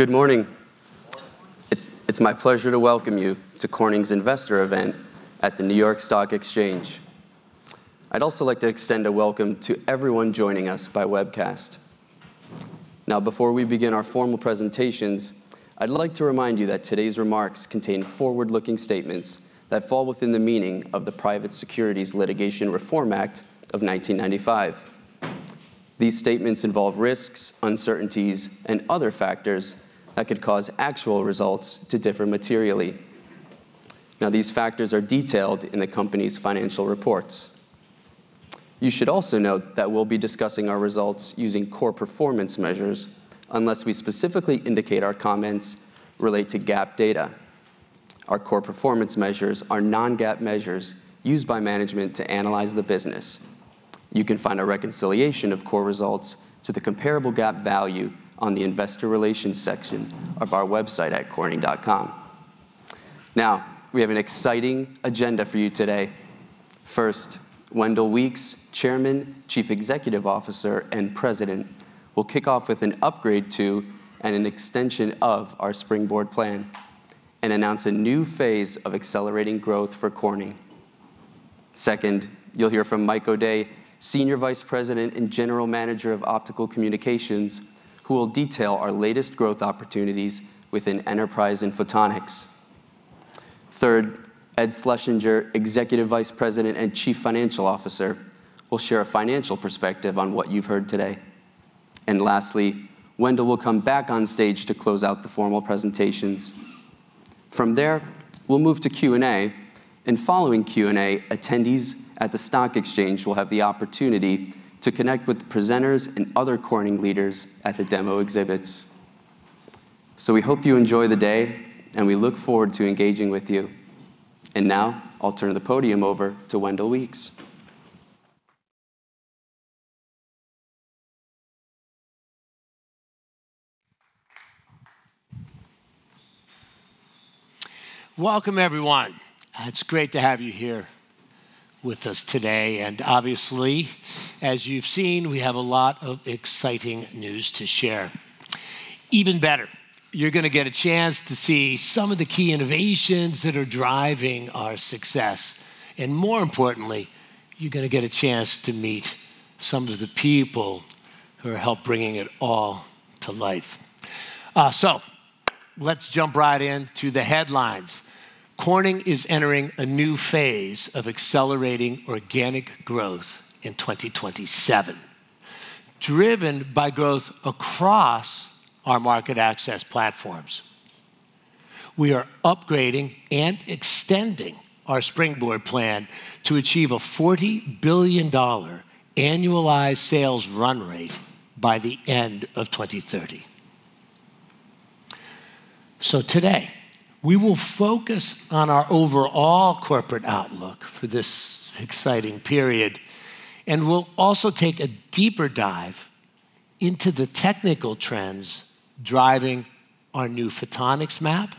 Good morning. It's my pleasure to welcome you to Corning's Investor event at the New York Stock Exchange. I'd also like to extend a welcome to everyone joining us by webcast. Before we begin our formal presentations, I'd like to remind you that today's remarks contain forward-looking statements that fall within the meaning of the Private Securities Litigation Reform Act of 1995. These statements involve risks, uncertainties, and other factors that could cause actual results to differ materially. These factors are detailed in the company's financial reports. You should also note that we'll be discussing our results using core performance measures, unless we specifically indicate our comments relate to GAAP data. Our core performance measures are non-GAAP measures used by management to analyze the business. You can find a reconciliation of core results to the comparable GAAP value on the investor relations section of our website at corning.com. Now, we have an exciting agenda for you today. First, Wendell Weeks, Chairman, Chief Executive Officer, and President, will kick off with an upgrade to and an extension of our Springboard plan and announce a new phase of accelerating growth for Corning. Second, you'll hear from Michael O'Day, Senior Vice President and General Manager of Optical Communications, who will detail our latest growth opportunities within enterprise and Photonics. Third, Ed Schlesinger, Executive Vice President and Chief Financial Officer, will share a financial perspective on what you've heard today. Lastly, Wendell will come back on stage to close out the formal presentations. From there, we'll move to Q&A, and following Q&A, attendees at the stock exchange will have the opportunity to connect with presenters and other Corning leaders at the demo exhibits. We hope you enjoy the day, and we look forward to engaging with you. Now I'll turn the podium over to Wendell Weeks. Welcome, everyone. It's great to have you here with us today, and obviously, as you've seen, we have a lot of exciting news to share. Even better, you're gonna get a chance to see some of the key innovations that are driving our success, and more importantly, you're gonna get a chance to meet some of the people who are help bringing it all to life. Let's jump right in to the headlines. Corning is entering a new phase of accelerating organic growth in 2027, driven by growth across our market access platforms. We are upgrading and extending our Springboard plan to achieve a $40 billion annualized sales run rate by the end of 2030. Today, we will focus on our overall corporate outlook for this exciting period, and we'll also take a deeper dive into the technical trends driving our new Photonics MAP,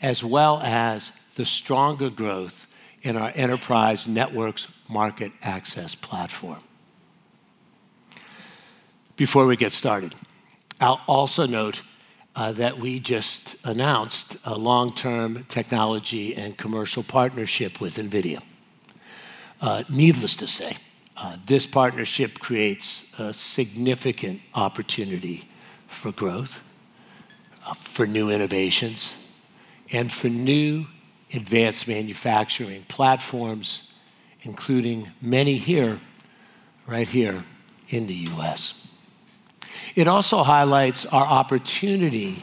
as well as the stronger growth in our enterprise networks market access platform. Before we get started, I'll also note that we just announced a long-term technology and commercial partnership with NVIDIA. Needless to say, this partnership creates a significant opportunity for growth, for new innovations, and for new advanced manufacturing platforms, including many here, right here in the U.S. It also highlights our opportunity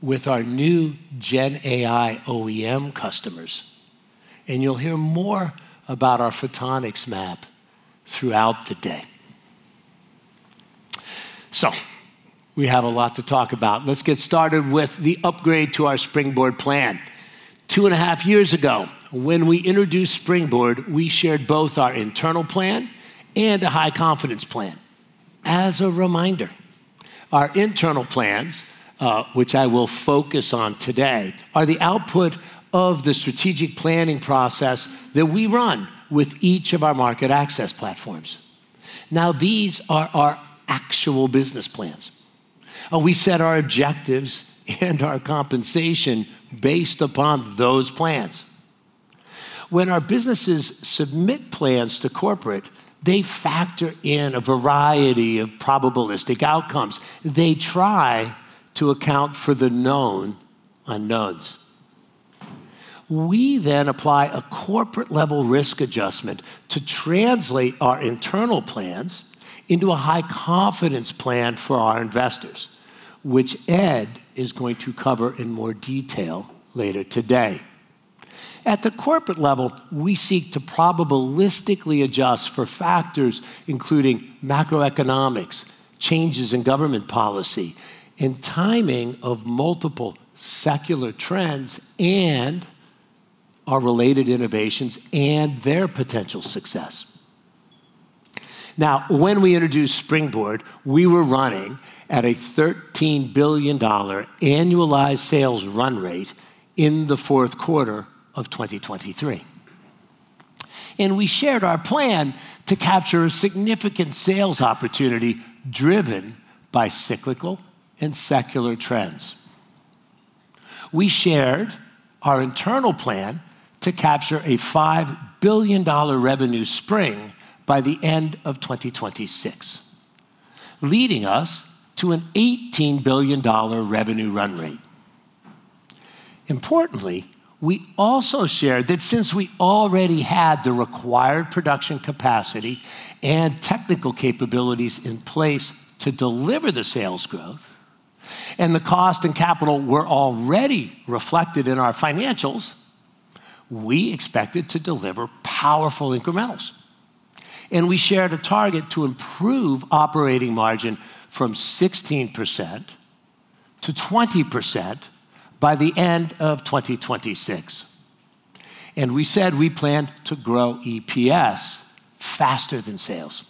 with our new GenAI OEM customers, and you'll hear more about our Photonics MAP throughout the day. We have a lot to talk about. Let's get started with the upgrade to our Springboard plan. Two and a half years ago, when we introduced Springboard, we shared both our internal plan and a high-confidence plan. As a reminder, our internal plans, which I will focus on today, are the output of the strategic planning process that we run with each of our market access platforms. These are our actual business plans, and we set our objectives and our compensation based upon those plans. When our businesses submit plans to corporate, they factor in a variety of probabilistic outcomes. They try to account for the known unknowns. We then apply a corporate-level risk adjustment to translate our internal plans into a high-confidence plan for our investors, which Ed is going to cover in more detail later today. At the corporate level, we seek to probabilistically adjust for factors including macroeconomics, changes in government policy, and timing of multiple secular trends and our related innovations and their potential success. When we introduced Springboard, we were running at a $13 billion annualized sales run rate in the fourth quarter of 2023. We shared our plan to capture a significant sales opportunity driven by cyclical and secular trends. We shared our internal plan to capture a $5 billion revenue spring by the end of 2026, leading us to an $18 billion revenue run rate. Importantly, we also shared that since we already had the required production capacity and technical capabilities in place to deliver the sales growth, and the cost and capital were already reflected in our financials, we expected to deliver powerful incrementals. We shared a target to improve operating margin from 16%-20% by the end of 2026. We said we planned to grow EPS faster than sales.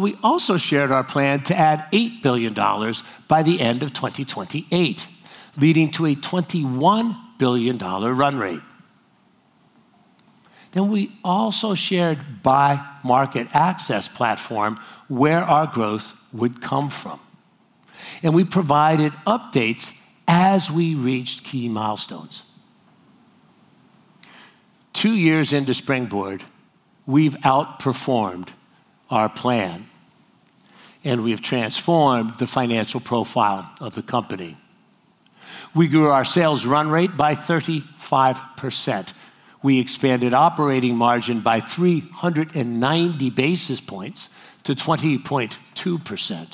We also shared our plan to add $8 billion by the end of 2028, leading to a $21 billion run rate. We also shared by market access platform where our growth would come from. We provided updates as we reached key milestones. Two years into Springboard, we've outperformed our plan, and we've transformed the financial profile of the company. We grew our sales run rate by 35%. We expanded operating margin by 390 basis points to 20.2%.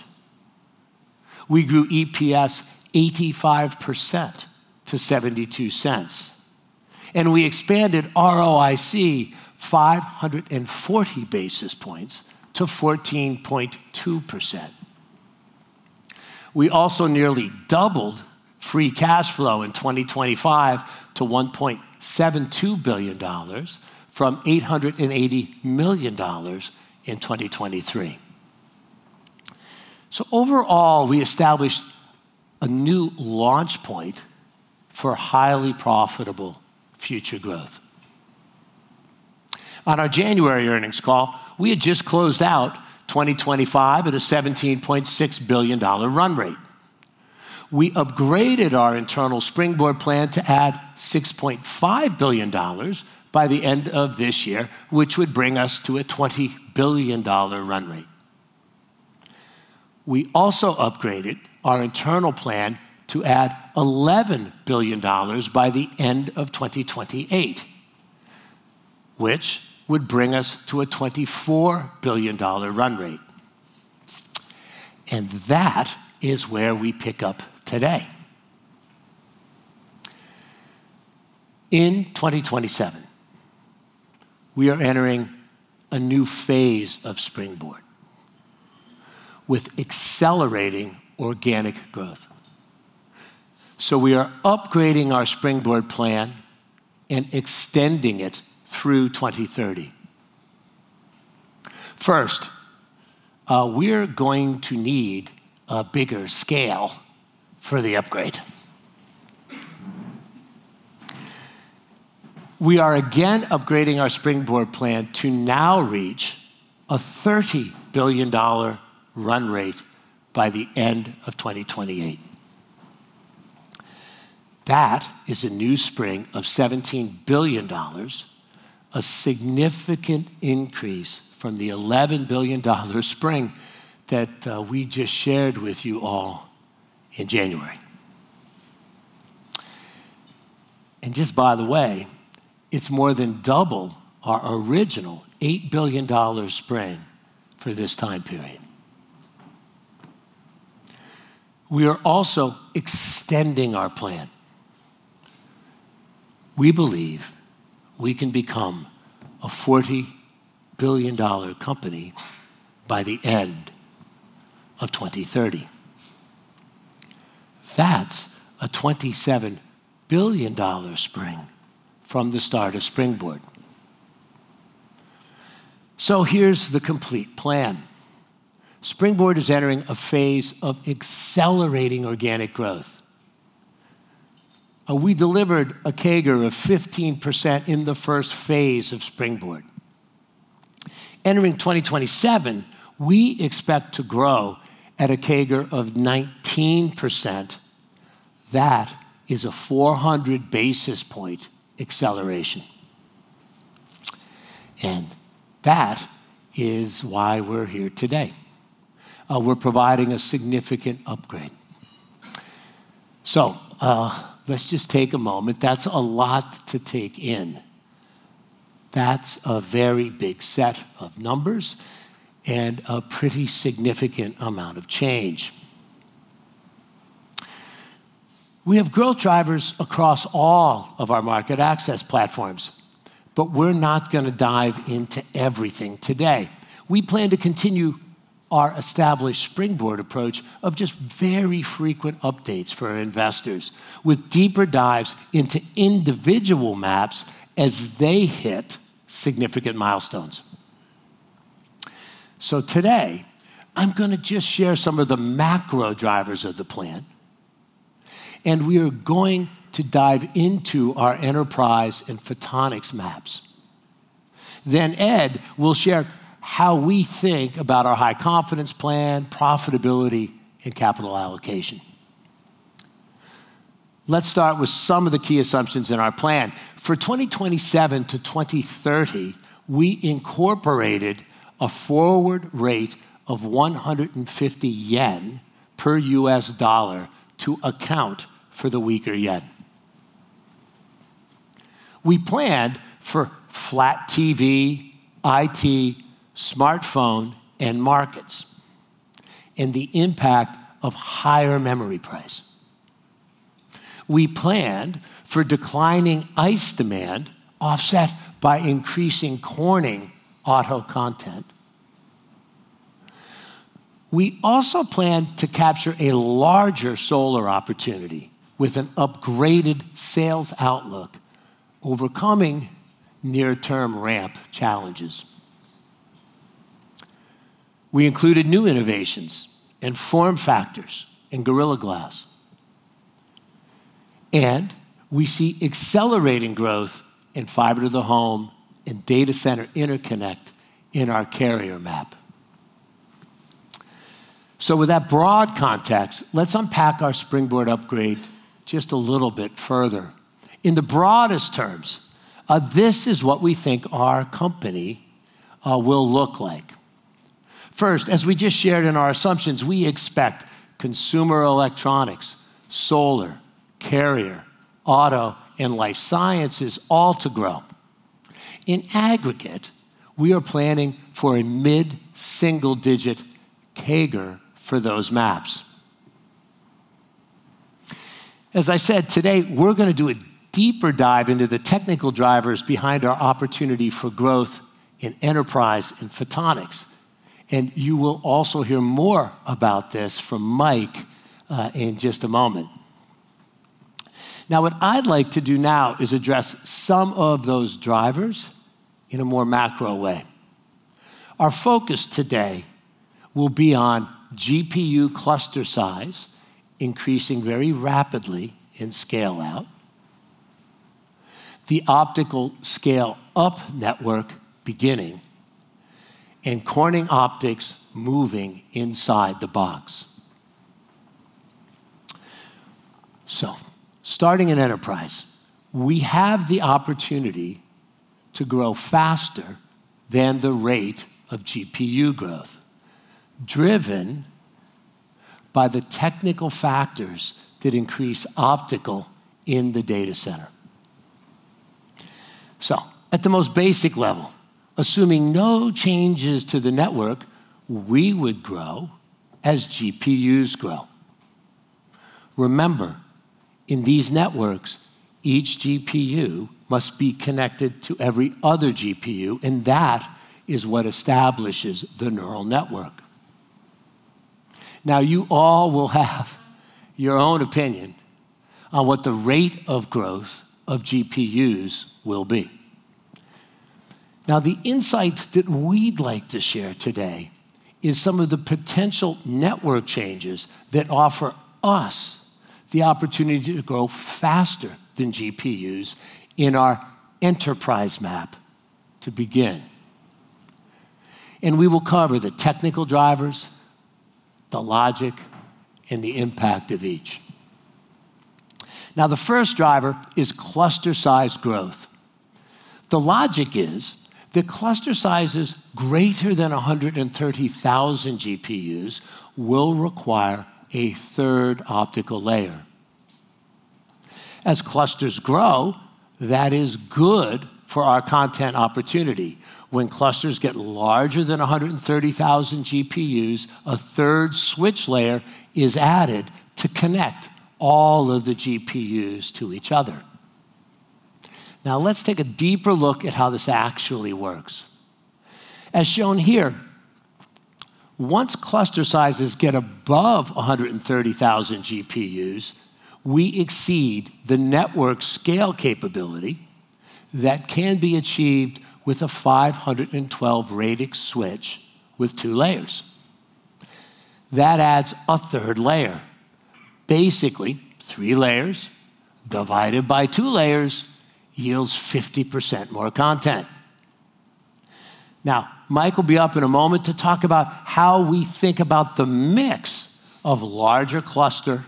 We grew EPS 85% to $0.72. We expanded ROIC 540 basis points to 14.2%. We also nearly doubled free cash flow in 2025 to $1.72 billion from $880 million in 2023. Overall, we established a new launch point for highly profitable future growth. On our January earnings call, we had just closed out 2025 at a $17.6 billion run rate. We upgraded our internal Springboard plan to add $6.5 billion by the end of this year, which would bring us to a $20 billion run rate. We also upgraded our internal plan to add $11 billion by the end of 2028, which would bring us to a $24 billion run rate. That is where we pick up today. In 2027, we are entering a new phase of Springboard with accelerating organic growth. We are upgrading our Springboard plan and extending it through 2030. First, we're going to need a bigger scale for the upgrade. We are again upgrading our Springboard plan to now reach a $30 billion run rate by the end of 2028. That is a new Springboard of $17 billion, a significant increase from the $11 billion Springboard that we just shared with you all in January. Just by the way, it's more than double our original $8 billion Springboard for this time period. We are also extending our plan. We believe we can become a $40 billion company by the end of 2030. That's a $27 billion Springboard from the start of Springboard. Here's the complete plan. Springboard is entering a phase of accelerating organic growth. We delivered a CAGR of 15% in the first phase of Springboard. Entering 2027, we expect to grow at a CAGR of 19%. That is a 400 basis point acceleration. That is why we're here today. We're providing a significant upgrade. Let's just take a moment. That's a lot to take in. That's a very big set of numbers and a pretty significant amount of change. We have growth drivers across all of our market access platforms, but we're not gonna dive into everything today. We plan to continue our established Springboard approach of just very frequent updates for our investors with deeper dives into individual maps as they hit significant milestones. Today, I'm gonna just share some of the macro drivers of the plan, and we are going to dive into our enterprise and Photonics MAPs. Ed will share how we think about our high confidence plan, profitability, and capital allocation. Let's start with some of the key assumptions in our plan. For 2027 to 2030, we incorporated a forward rate of 150 yen per US dollar to account for the weaker yen. We planned for flat TV, IT, smartphone end markets, and the impact of higher memory price. We planned for declining ICE demand offset by increasing Corning auto content. We also plan to capture a larger solar opportunity with an upgraded sales outlook, overcoming near-term ramp challenges. We included new innovations and form factors in Gorilla Glass, and we see accelerating growth in fiber to the home and data center interconnect in our carrier map. With that broad context, let's unpack our Springboard upgrade just a little bit further. In the broadest terms, this is what we think our company will look like. First, as we just shared in our assumptions, we expect consumer electronics, solar, carrier, auto, and life sciences all to grow. In aggregate, we are planning for a mid-single-digit CAGR for those MAPs. As I said, today we're gonna do a deeper dive into the technical drivers behind our opportunity for growth in enterprise and Photonics, and you will also hear more about this from Mike in just a moment. Now, what I'd like to do now is address some of those drivers in a more macro way. Our focus today will be on GPU cluster size increasing very rapidly in scale-out, the optical scale-up network beginning, and Corning Optics moving inside the box. Starting in enterprise, we have the opportunity to grow faster than the rate of GPU growth, driven by the technical factors that increase optical in the data center. At the most basic level, assuming no changes to the network, we would grow as GPUs grow. Remember, in these networks, each GPU must be connected to every other GPU, and that is what establishes the neural network. You all will have your own opinion on what the rate of growth of GPUs will be. The insight that we'd like to share today is some of the potential network changes that offer us the opportunity to grow faster than GPUs in our enterprise map to begin, and we will cover the technical drivers, the logic, and the impact of each. The first driver is cluster size growth. The logic is that cluster sizes greater than 130,000 GPUs will require a third optical layer. As clusters grow, that is good for our content opportunity. When clusters get larger than 130,000 GPUs, a third switch layer is added to connect all of the GPUs to each other. Let's take a deeper look at how this actually works. As shown here, once cluster sizes get above 130,000 GPUs, we exceed the network scale capability that can be achieved with a 512 radix switch with two layers. That adds a third layer. Basically, three layers divided by two layers yields 50% more content. Mike will be up in a moment to talk about how we think about the mix of larger clusters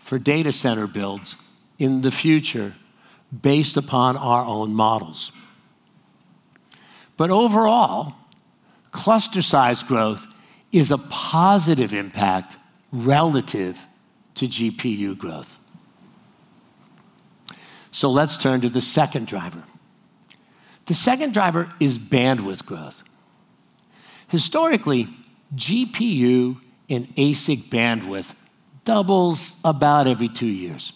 for data center builds in the future based upon our own models. Overall, cluster size growth is a positive impact relative to GPU growth. Let's turn to the second driver. The second driver is bandwidth growth. Historically, GPU and ASIC bandwidth doubles about every two years.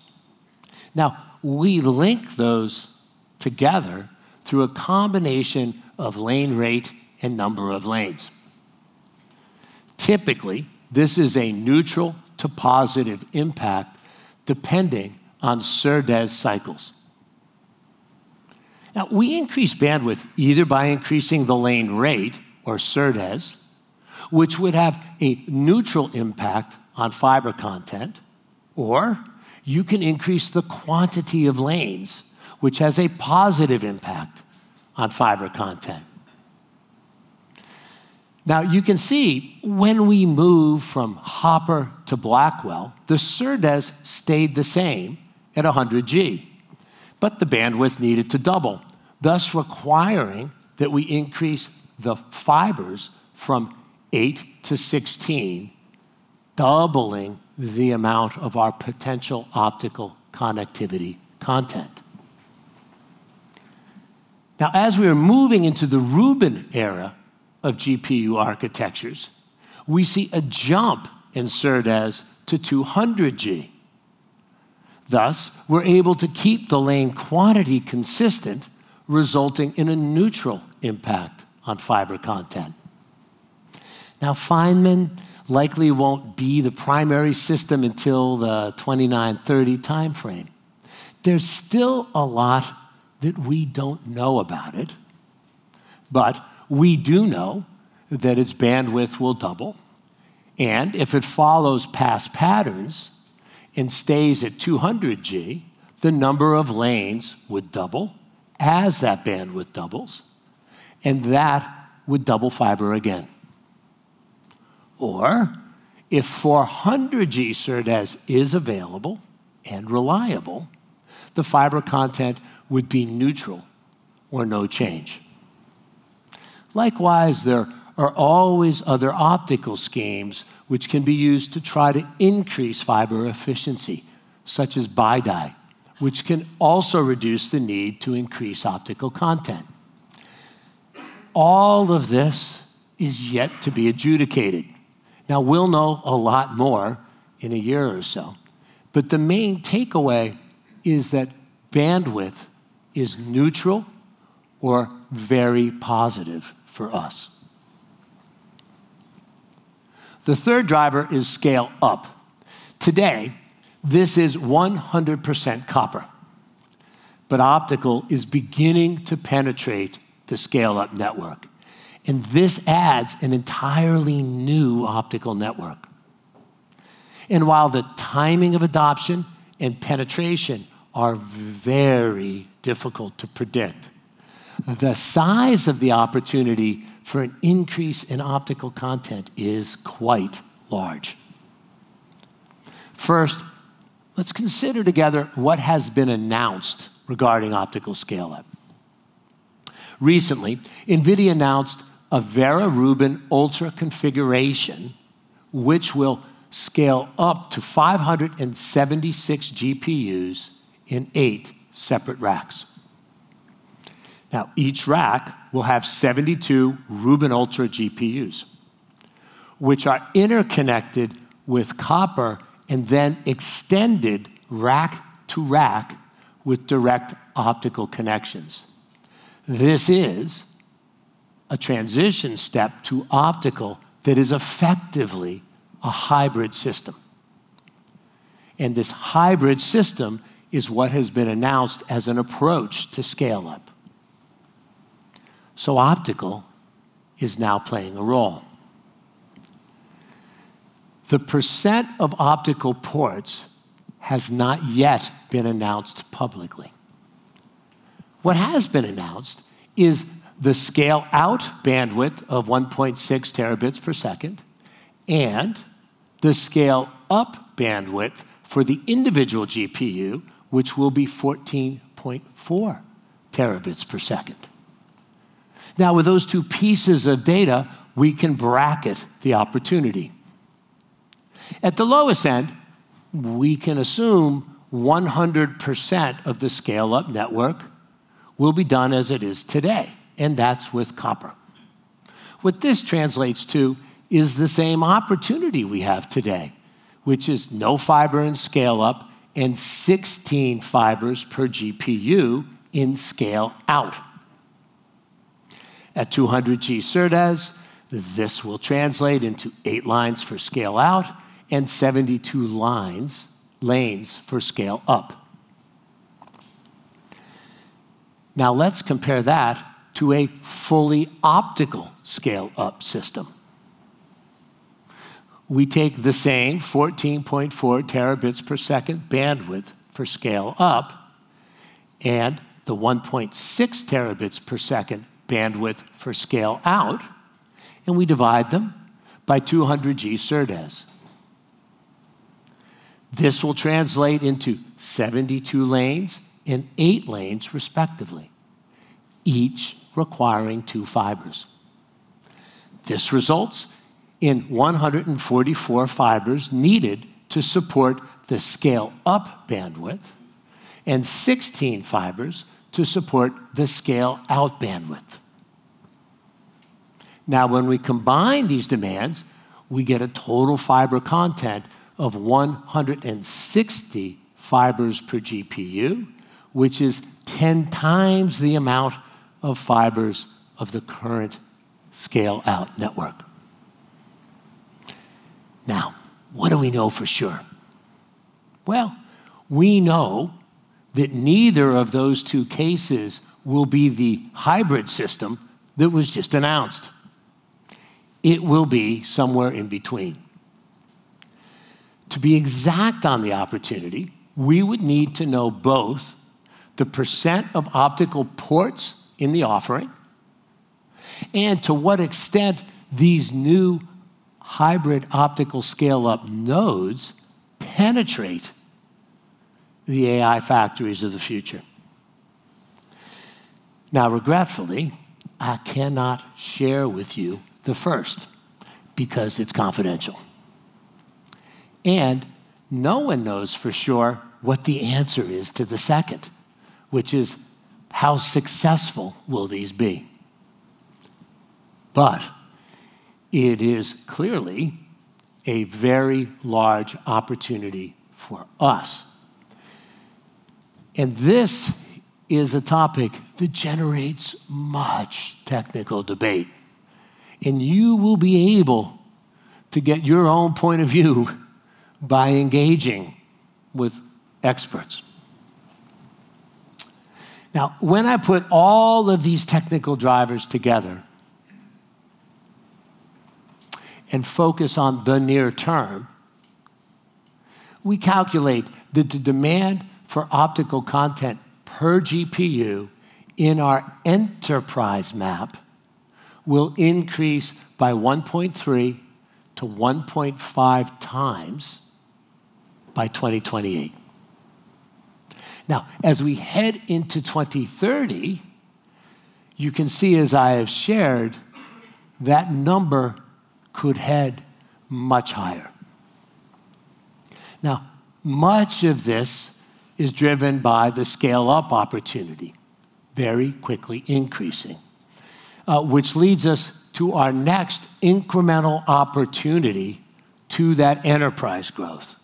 We link those together through a combination of lane rate and number of lanes. Typically, this is a neutral to positive impact depending on SerDes cycles. We increase bandwidth either by increasing the lane rate or SerDes, which would have a neutral impact on fiber content, or you can increase the quantity of lanes, which has a positive impact on fiber content. You can see when we move from Hopper to Blackwell, the SerDes stayed the same at 100 G, but the bandwidth needed to double, thus requiring that we increase the fibers from eight to 16, doubling the amount of our potential optical connectivity content. As we are moving into the Rubin era of GPU architectures, we see a jump in SerDes to 200 G. Thus, we're able to keep the lane quantity consistent, resulting in a neutral impact on fiber content. Feynman likely won't be the primary system until the 2029-2030 timeframe. There's still a lot that we don't know about it, but we do know that its bandwidth will double, and if it follows past patterns and stays at 200 G, the number of lanes would double as that bandwidth doubles, and that would double fiber again. If 400G SerDes is available and reliable, the fiber content would be neutral or no change. Likewise, there are always other optical schemes which can be used to try to increase fiber efficiency, such as BiDi, which can also reduce the need to increase optical content. All of this is yet to be adjudicated. We'll know a lot more in a year or so, but the main takeaway is that bandwidth is neutral or very positive for us. The third driver is scale-up. Today, this is 100% copper, but optical is beginning to penetrate the scale-up network, and this adds an entirely new optical network. While the timing of adoption and penetration are very difficult to predict, the size of the opportunity for an increase in optical content is quite large. First, let's consider together what has been announced regarding optical scale up. Recently, NVIDIA announced a Vera Rubin Ultra configuration which will scale up to 576 GPUs in eight separate racks. Each rack will have 72 Rubin Ultra GPUs, which are interconnected with copper and then extended rack to rack with direct optical connections. This is a transition step to optical that is effectively a hybrid system, and this hybrid system is what has been announced as an approach to scale up. Optical is now playing a role. The percent of optical ports has not yet been announced publicly. What has been announced is the scale out bandwidth of 1.6 Tbps and the scale up bandwidth for the individual GPU, which will be 14.4 Tbps. With those two pieces of data, we can bracket the opportunity. At the lowest end, we can assume 100% of the scale-up network will be done as it is today, and that's with copper. What this translates to is the same opportunity we have today, which is no fiber in scale-up and 16 fibers per GPU in scale-out. At 200G SerDes, this will translate into eight lines for scale-out and 72 lines, lanes for scale-up. Let's compare that to a fully optical scale-up system. We take the same 14.4 Tbps bandwidth for scale-up and the 1.6 Tbps bandwidth for scale-out, and we divide them by 200G SerDes. This will translate into 72 lanes and eight lanes respectively, each requiring two fibers. This results in 144 fibers needed to support the scale-up bandwidth and 16 fibers to support the scale-out bandwidth. When we combine these demands, we get a total fiber content of 160 fibers per GPU, which is 10 times the amount of fibers of the current scale-out network. What do we know for sure? Well, we know that neither of those two cases will be the hybrid system that was just announced. It will be somewhere in between. To be exact on the opportunity, we would need to know both the % of optical ports in the offering and to what extent these new hybrid optical scale-up nodes penetrate the AI factories of the future. Regretfully, I cannot share with you the first because it's confidential. No one knows for sure what the answer is to the second, which is how successful will these be? It is clearly a very large opportunity for us. This is a topic that generates much technical debate. You will be able to get your own point of view by engaging with experts. When I put all of these technical drivers together and focus on the near term, we calculate that the demand for optical content per GPU in our enterprise map will increase by 1.3 to 1.5 times by 2028. As we head into 2030, you can see as I have shared, that number could head much higher. Much of this is driven by the scale-up opportunity very quickly increasing, which leads us to our next incremental opportunity to that enterprise growth,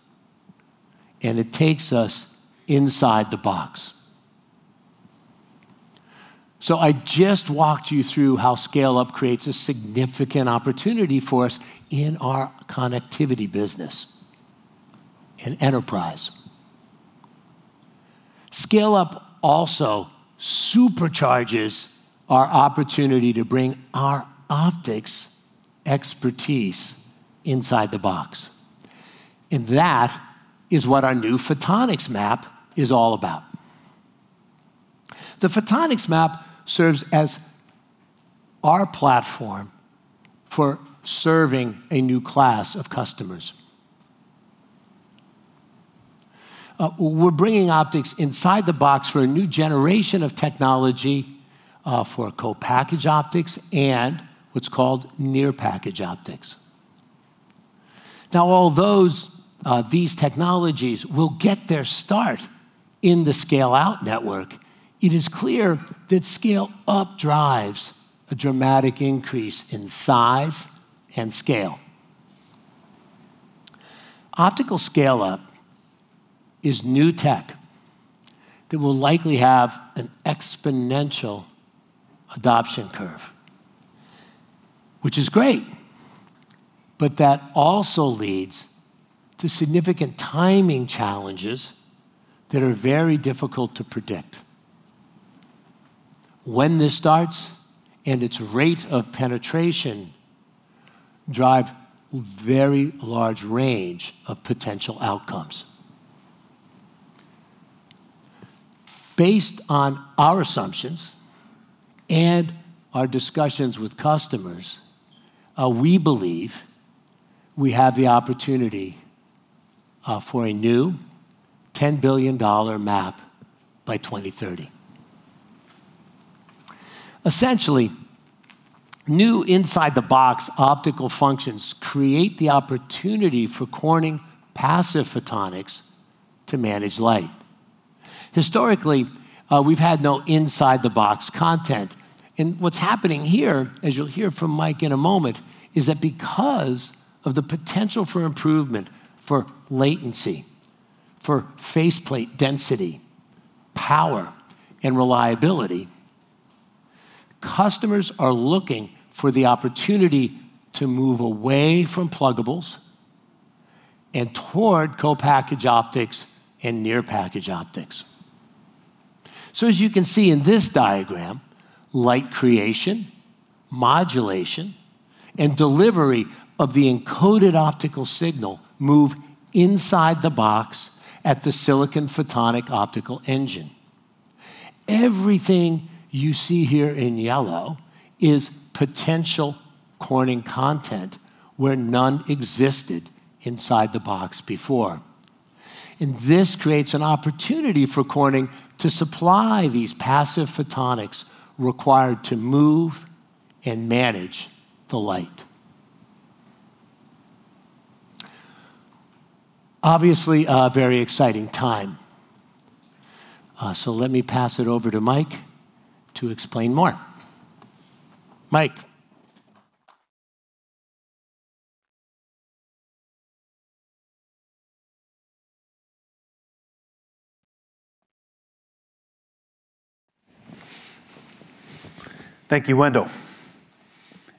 it takes us inside the box. I just walked you through how scale-up creates a significant opportunity for us in our connectivity business and enterprise. Scale-up also supercharges our opportunity to bring our optics expertise inside the box, that is what our new Photonics MAP is all about. The Photonics MAP serves as our platform for serving a new class of customers. We're bringing optics inside the box for a new generation of technology, for Co-packaged optics and what's called Near-packaged optics. These technologies will get their start in the scale-out network. It is clear that scale-up drives a dramatic increase in size and scale. Optical scale-up is new tech that will likely have an exponential adoption curve, which is great, but that also leads to significant timing challenges that are very difficult to predict. When this starts and its rate of penetration drive very large range of potential outcomes. Based on our assumptions and our discussions with customers, we believe we have the opportunity for a new $10 billion Market-Access Platform by 2030. Essentially, new inside-the-box optical functions create the opportunity for Corning passive photonics to manage light. Historically, we've had no inside-the-box content, and what's happening here, as you'll hear from Mike in a moment, is that because of the potential for improvement for latency, for faceplate density, power, and reliability, customers are looking for the opportunity to move away from pluggables and toward Co-packaged optics and Near-package optics. As you can see in this diagram, light creation, modulation, and delivery of the encoded optical signal move inside the box at the Silicon photonics optical engine. Everything you see here in yellow is potential Corning content where none existed inside the box before, and this creates an opportunity for Corning to supply these passive photonics required to move and manage the light. Obviously a very exciting time. Let me pass it over to Mike to explain more. Mike. Thank you, Wendell.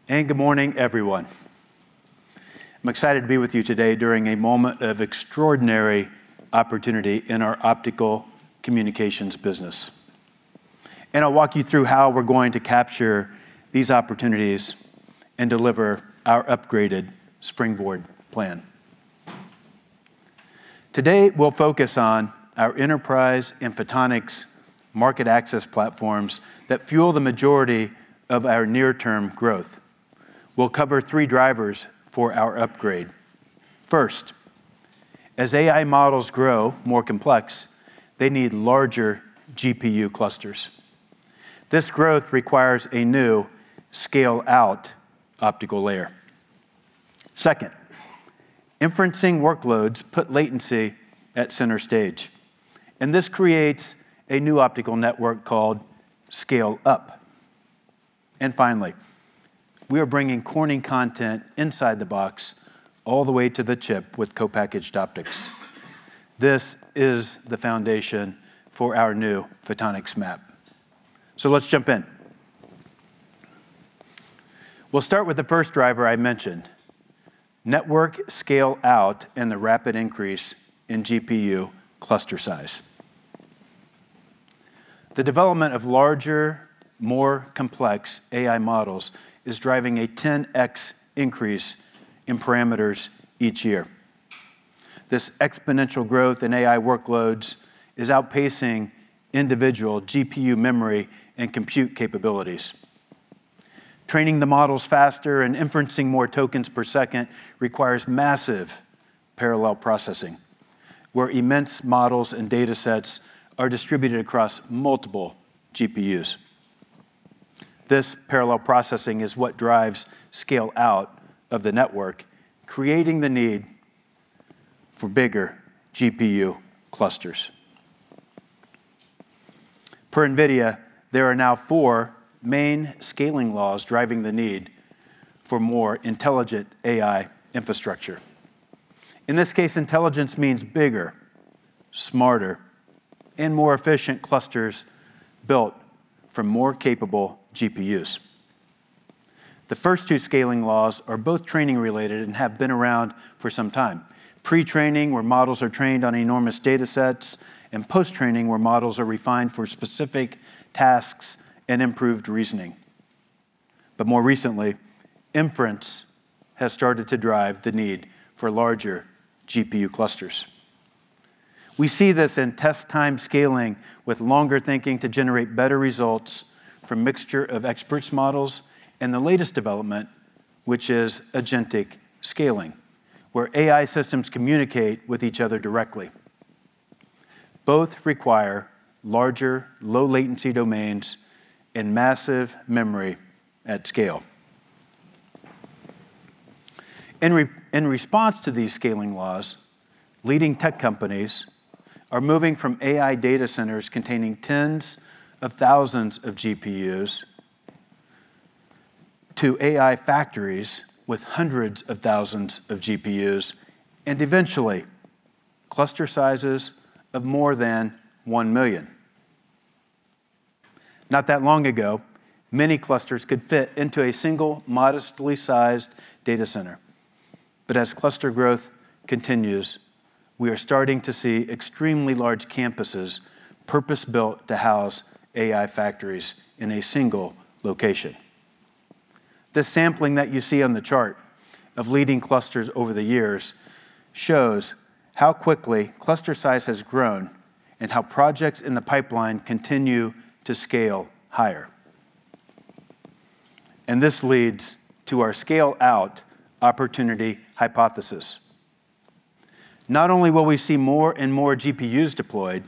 Good morning, everyone. I'm excited to be with you today during a moment of extraordinary opportunity in our Optical Communications business. I'll walk you through how we're going to capture these opportunities and deliver our upgraded Springboard plan. Today, we'll focus on our enterprise and Photonics market access platforms that fuel the majority of our near-term growth. We'll cover three drivers for our upgrade. First, as AI models grow more complex, they need larger GPU clusters. This growth requires a new scale-out optical layer. Second, inferencing workloads put latency at center stage, and this creates a new optical network called scale-up. Finally, we are bringing Corning content inside the box all the way to the chip with co-packaged optics. This is the foundation for our new Photonics MAP. Let's jump in. We'll start with the first driver I mentioned, network scale-out and the rapid increase in GPU cluster size. The development of larger, more complex AI models is driving a 10x increase in parameters each year. This exponential growth in AI workloads is outpacing individual GPU memory and compute capabilities. Training the models faster and inferencing more tokens per second requires massive parallel processing, where immense models and datasets are distributed across multiple GPUs. This parallel processing is what drives scale-out of the network, creating the need for bigger GPU clusters. Per NVIDIA, there are now four main scaling laws driving the need for more intelligent AI infrastructure. In this case, intelligence means bigger, smarter, and more efficient clusters built from more capable GPUs. The first two scaling laws are both training related and have been around for some time. Pre-training, where models are trained on enormous datasets, and post-training, where models are refined for specific tasks and improved reasoning. More recently, inference has started to drive the need for larger GPU clusters. We see this in test-time scaling with longer thinking to generate better results from mixture of experts models, and the latest development, which is agentic scaling, where AI systems communicate with each other directly. Both require larger, low latency domains and massive memory at scale. In response to these scaling laws, leading tech companies are moving from AI data centers containing tens of thousands of GPUs to AI factories with hundreds of thousands of GPUs, and eventually cluster sizes of more than one million. Not that long ago, many clusters could fit into a single modestly sized data center. As cluster growth continues, we are starting to see extremely large campuses purpose-built to house AI factories in a single location. The sampling that you see on the chart of leading clusters over the years shows how quickly cluster size has grown and how projects in the pipeline continue to scale higher. This leads to our scale-out opportunity hypothesis. Not only will we see more and more GPUs deployed,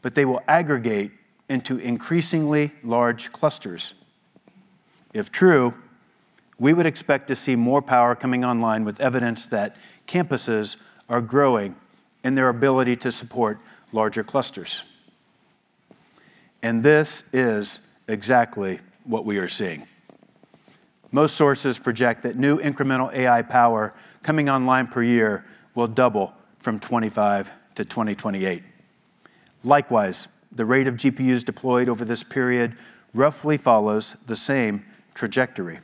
but they will aggregate into increasingly large clusters. If true, we would expect to see more power coming online with evidence that campuses are growing in their ability to support larger clusters. This is exactly what we are seeing. Most sources project that new incremental AI power coming online per year will double from 2025 to 2028. Likewise, the rate of GPUs deployed over this period roughly follows the same trajectory.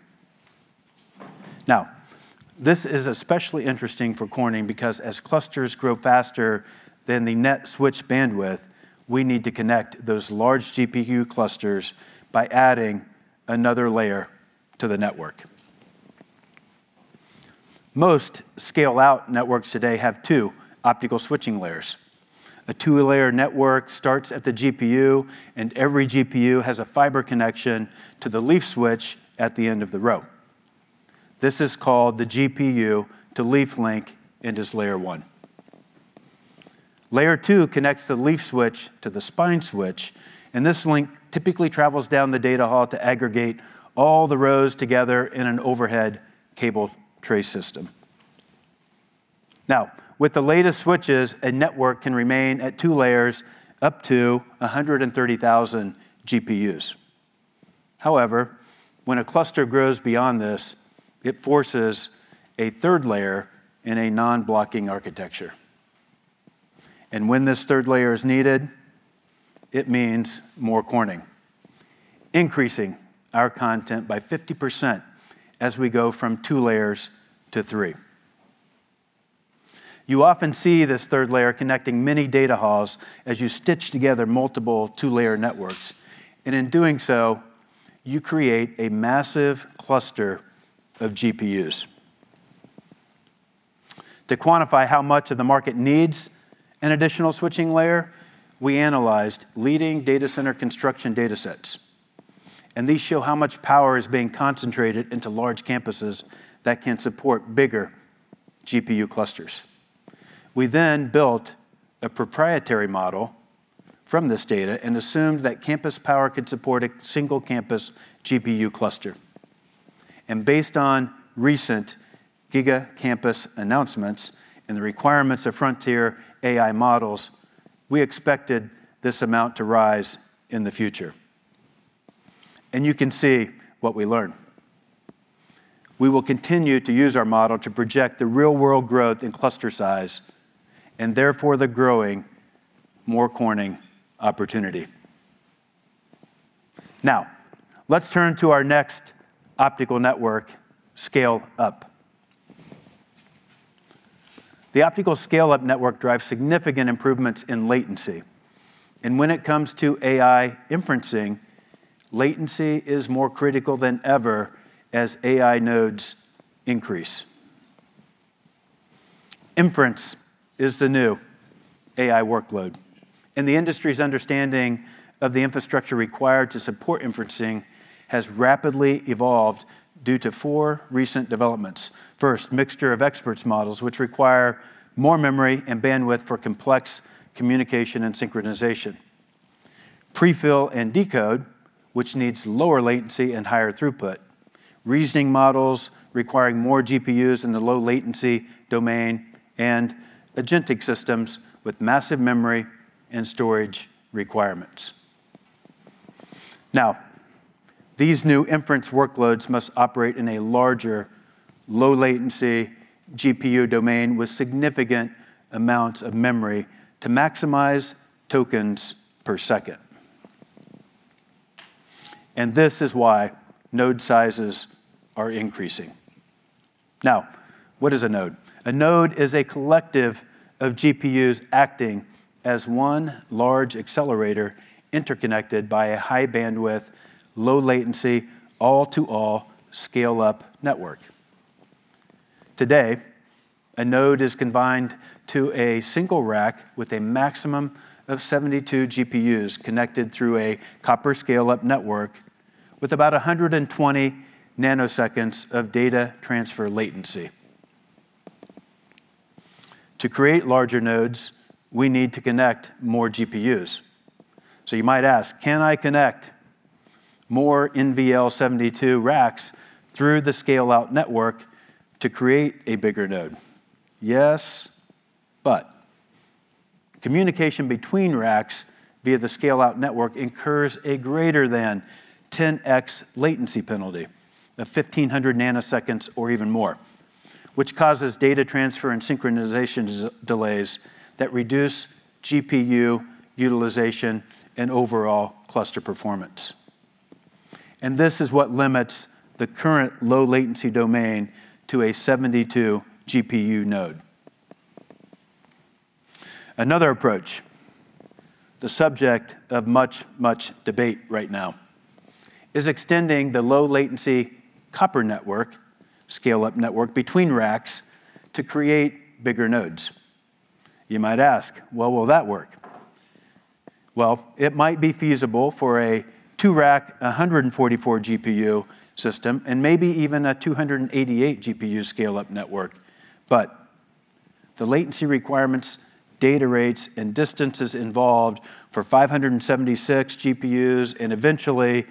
This is especially interesting for Corning because as clusters grow faster than the net switch bandwidth, we need to connect those large GPU clusters by adding another layer to the network. Most scale-out networks today have two optical switching layers. A two-layer network starts at the GPU, and every GPU has a fiber connection to the leaf switch at the end of the row. This is called the GPU to leaf link and is layer one. Layer two connects the leaf switch to the spine switch, and this link typically travels down the data hall to aggregate all the rows together in an overhead cable tray system. With the latest switches, a network can remain at two layers up to 130,000 GPUs. However, when a cluster grows beyond this, it forces a third layer in a non-blocking architecture. When this third layer is needed, it means more Corning, increasing our content by 50% as we go from two layers to three. You often see this third layer connecting many data halls as you stitch together multiple two-layer networks. In doing so, you create a massive cluster of GPUs. To quantify how much of the market needs an additional switching layer, we analyzed leading data center construction datasets. These show how much power is being concentrated into large campuses that can support bigger GPU clusters. We then built a proprietary model from this data and assumed that campus power could support a single campus GPU cluster. Based on recent giga-campus announcements and the requirements of frontier AI models, we expected this amount to rise in the future. You can see what we learned. We will continue to use our model to project the real-world growth in cluster size and therefore the growing more Corning opportunity. Now, let's turn to our next optical network, scale-up. The optical scale-up network drives significant improvements in latency, and when it comes to AI inferencing, latency is more critical than ever as AI nodes increase. Inference is the new AI workload, and the industry's understanding of the infrastructure required to support inferencing has rapidly evolved due to four recent developments. First, mixture of experts models, which require more memory and bandwidth for complex communication and synchronization. Pre-fill and decode, which needs lower latency and higher throughput. Reasoning models requiring more GPUs in the low latency domain, and agentic systems with massive memory and storage requirements. These new inference workloads must operate in a larger low latency GPU domain with significant amounts of memory to maximize tokens per second. This is why node sizes are increasing. What is a node? A node is a collective of GPUs acting as one large accelerator interconnected by a high bandwidth, low latency, all-to-all scale-up network. Today, a node is confined to a single rack with a maximum of 72 GPUs connected through a copper scale-up network with about 120 nanoseconds of data transfer latency. To create larger nodes, we need to connect more GPUs. You might ask, "Can I connect more NVL72 racks through the scale-out network to create a bigger node?" Yes, but communication between racks via the scale-out network incurs a greater than 10x latency penalty of 1,500 ns or even more, which causes data transfer and synchronization delays that reduce GPU utilization and overall cluster performance. This is what limits the current low latency domain to a 72 GPU node. Another approach, the subject of much debate right now, is extending the low latency copper network, scale-up network between racks to create bigger nodes. You might ask, "Well, will that work?" Well, it might be feasible for a two-rack, 144 GPU system, and maybe even a 288 GPU scale-up network. The latency requirements, data rates, and distances involved for 576 GPUs and eventually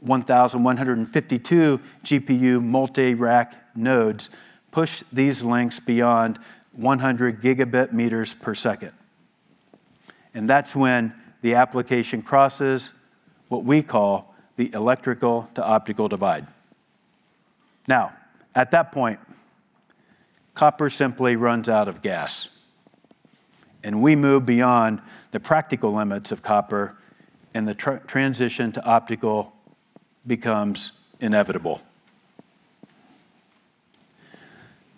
1,152 GPU multi-rack nodes push these lengths beyond 100 Gbps, and that's when the application crosses what we call the electrical to optical divide. At that point, copper simply runs out of gas, and we move beyond the practical limits of copper, and the transition to optical becomes inevitable.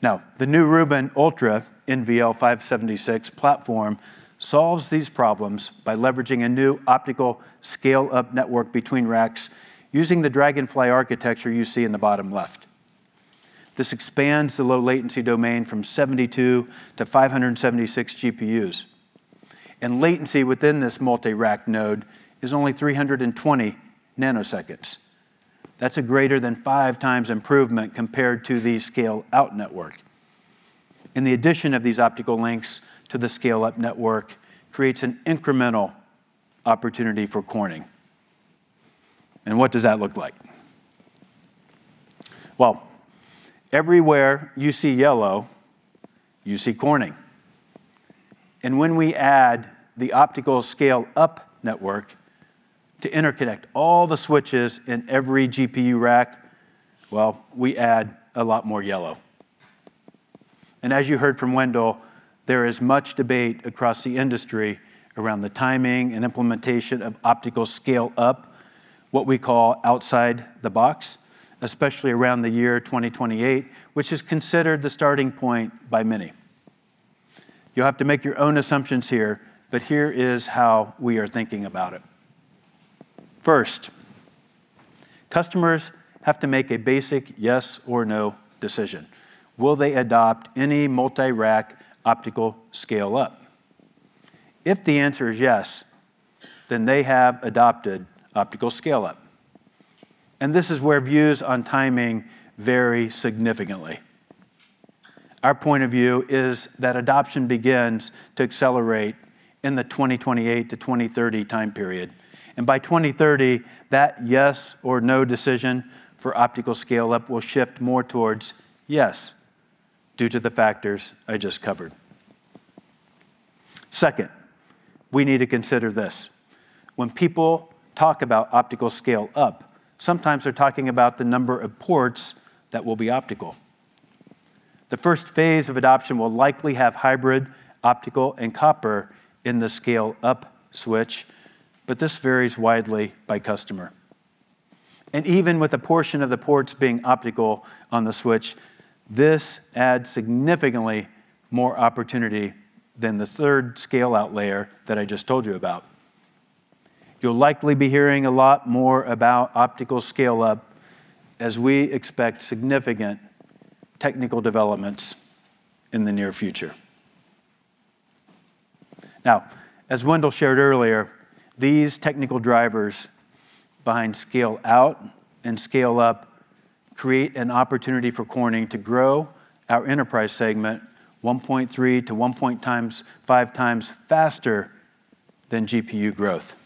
The new Rubin Ultra NVL576 platform solves these problems by leveraging a new optical scale-up network between racks using the Dragonfly architecture you see in the bottom left. This expands the low latency domain from 72 to 576 GPUs. Latency within this multi-rack node is only 320 ns. That's a greater than five times improvement compared to the scale-out network. The addition of these optical links to the scale-up network creates an incremental opportunity for Corning. What does that look like? Well, everywhere you see yellow, you see Corning. When we add the optical scale-up network to interconnect all the switches in every GPU rack, well, we add a lot more yellow. As you heard from Wendell, there is much debate across the industry around the timing and implementation of optical scale up, what we call outside the box, especially around the year 2028, which is considered the starting point by many. You'll have to make your own assumptions here, but here is how we are thinking about it. First, customers have to make a basic yes or no decision. Will they adopt any multi-rack optical scale up? If the answer is yes, they have adopted optical scale-up, this is where views on timing vary significantly. Our point of view is that adoption begins to accelerate in the 2028 to 2030 time period, by 2030, that yes or no decision for optical scale-up will shift more towards yes due to the factors I just covered. Second, we need to consider this. When people talk about optical scale-up, sometimes they're talking about the number of ports that will be optical. The first phase of adoption will likely have hybrid optical and copper in the scale-up switch, but this varies widely by customer. Even with a portion of the ports being optical on the switch, this adds significantly more opportunity than the third scale-out layer that I just told you about. You'll likely be hearing a lot more about optical scale up as we expect significant technical developments in the near future. As Wendell shared earlier, these technical drivers behind scale out and scale up create an opportunity for Corning to grow our enterprise segment 1.3 to 1.5 times faster than GPU growth.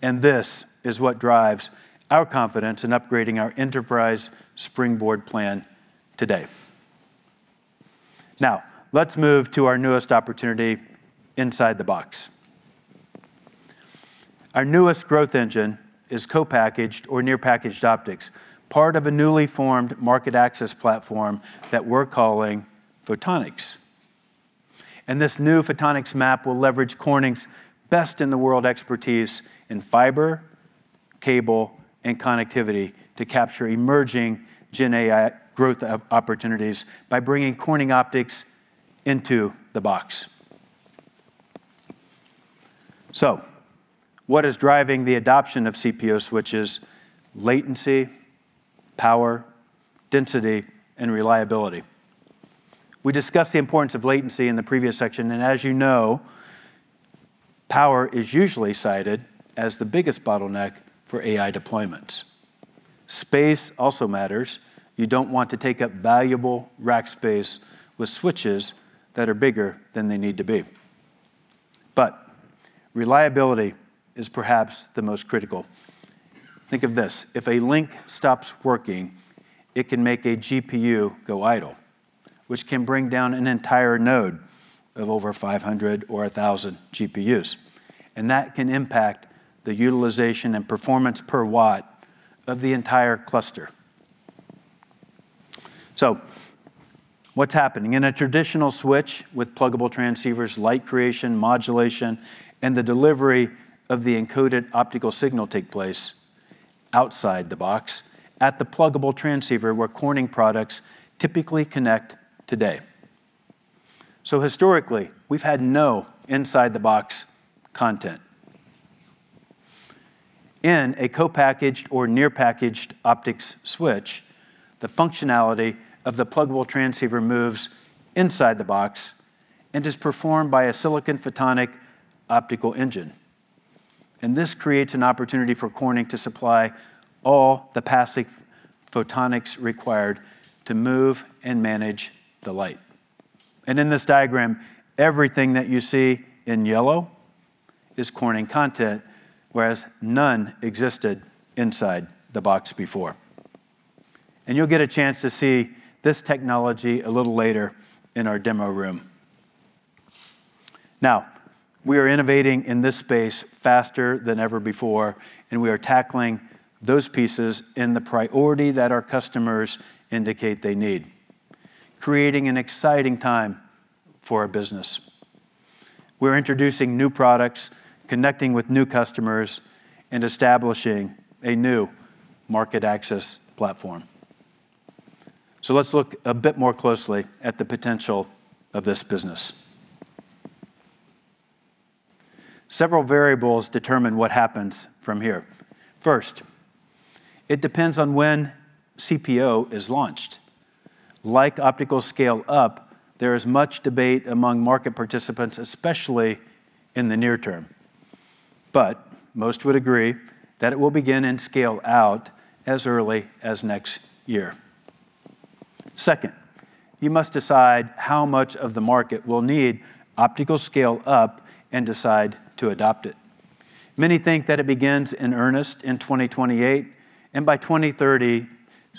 This is what drives our confidence in upgrading our enterprise Springboard plan today. Let's move to our newest opportunity inside the box. Our newest growth engine is co-packaged or near-package optics, part of a newly formed market access platform that we're calling Photonics. This new Photonics MAP will leverage Corning's best-in-the-world expertise in fiber, cable, and connectivity to capture emerging GenAI growth opportunities by bringing Corning optics into the box. What is driving the adoption of CPO switches? Latency, power, density, and reliability. We discussed the importance of latency in the previous section, as you know, power is usually cited as the biggest bottleneck for AI deployments. Space also matters. You don't want to take up valuable rack space with switches that are bigger than they need to be. Reliability is perhaps the most critical. Think of this. If a link stops working, it can make a GPU go idle, which can bring down an entire node of over 500 or 1,000 GPUs, that can impact the utilization and performance per watt of the entire cluster. What's happening? In a traditional switch with pluggable transceivers, light creation, modulation, and the delivery of the encoded optical signal take place outside the box at the pluggable transceiver where Corning products typically connect today. Historically, we've had no inside the box content. In a co-packaged or near packaged optics switch, the functionality of the pluggable transceiver moves inside the box and is performed by a Silicon photonics optical engine. This creates an opportunity for Corning to supply all the passive photonics required to move and manage the light. In this diagram, everything that you see in yellow is Corning content, whereas none existed inside the box before. You'll get a chance to see this technology a little later in our demo room. Now, we are innovating in this space faster than ever before. We are tackling those pieces in the priority that our customers indicate they need, creating an exciting time for our business. We're introducing new products, connecting with new customers, and establishing a new market access platform. Let's look a bit more closely at the potential of this business. Several variables determine what happens from here. First, it depends on when CPO is launched. Like optical scale-up, there is much debate among market participants, especially in the near term. Most would agree that it will begin and scale-out as early as next year. Second, you must decide how much of the market will need optical scale-up and decide to adopt it. Many think that it begins in earnest in 2028, and by 2030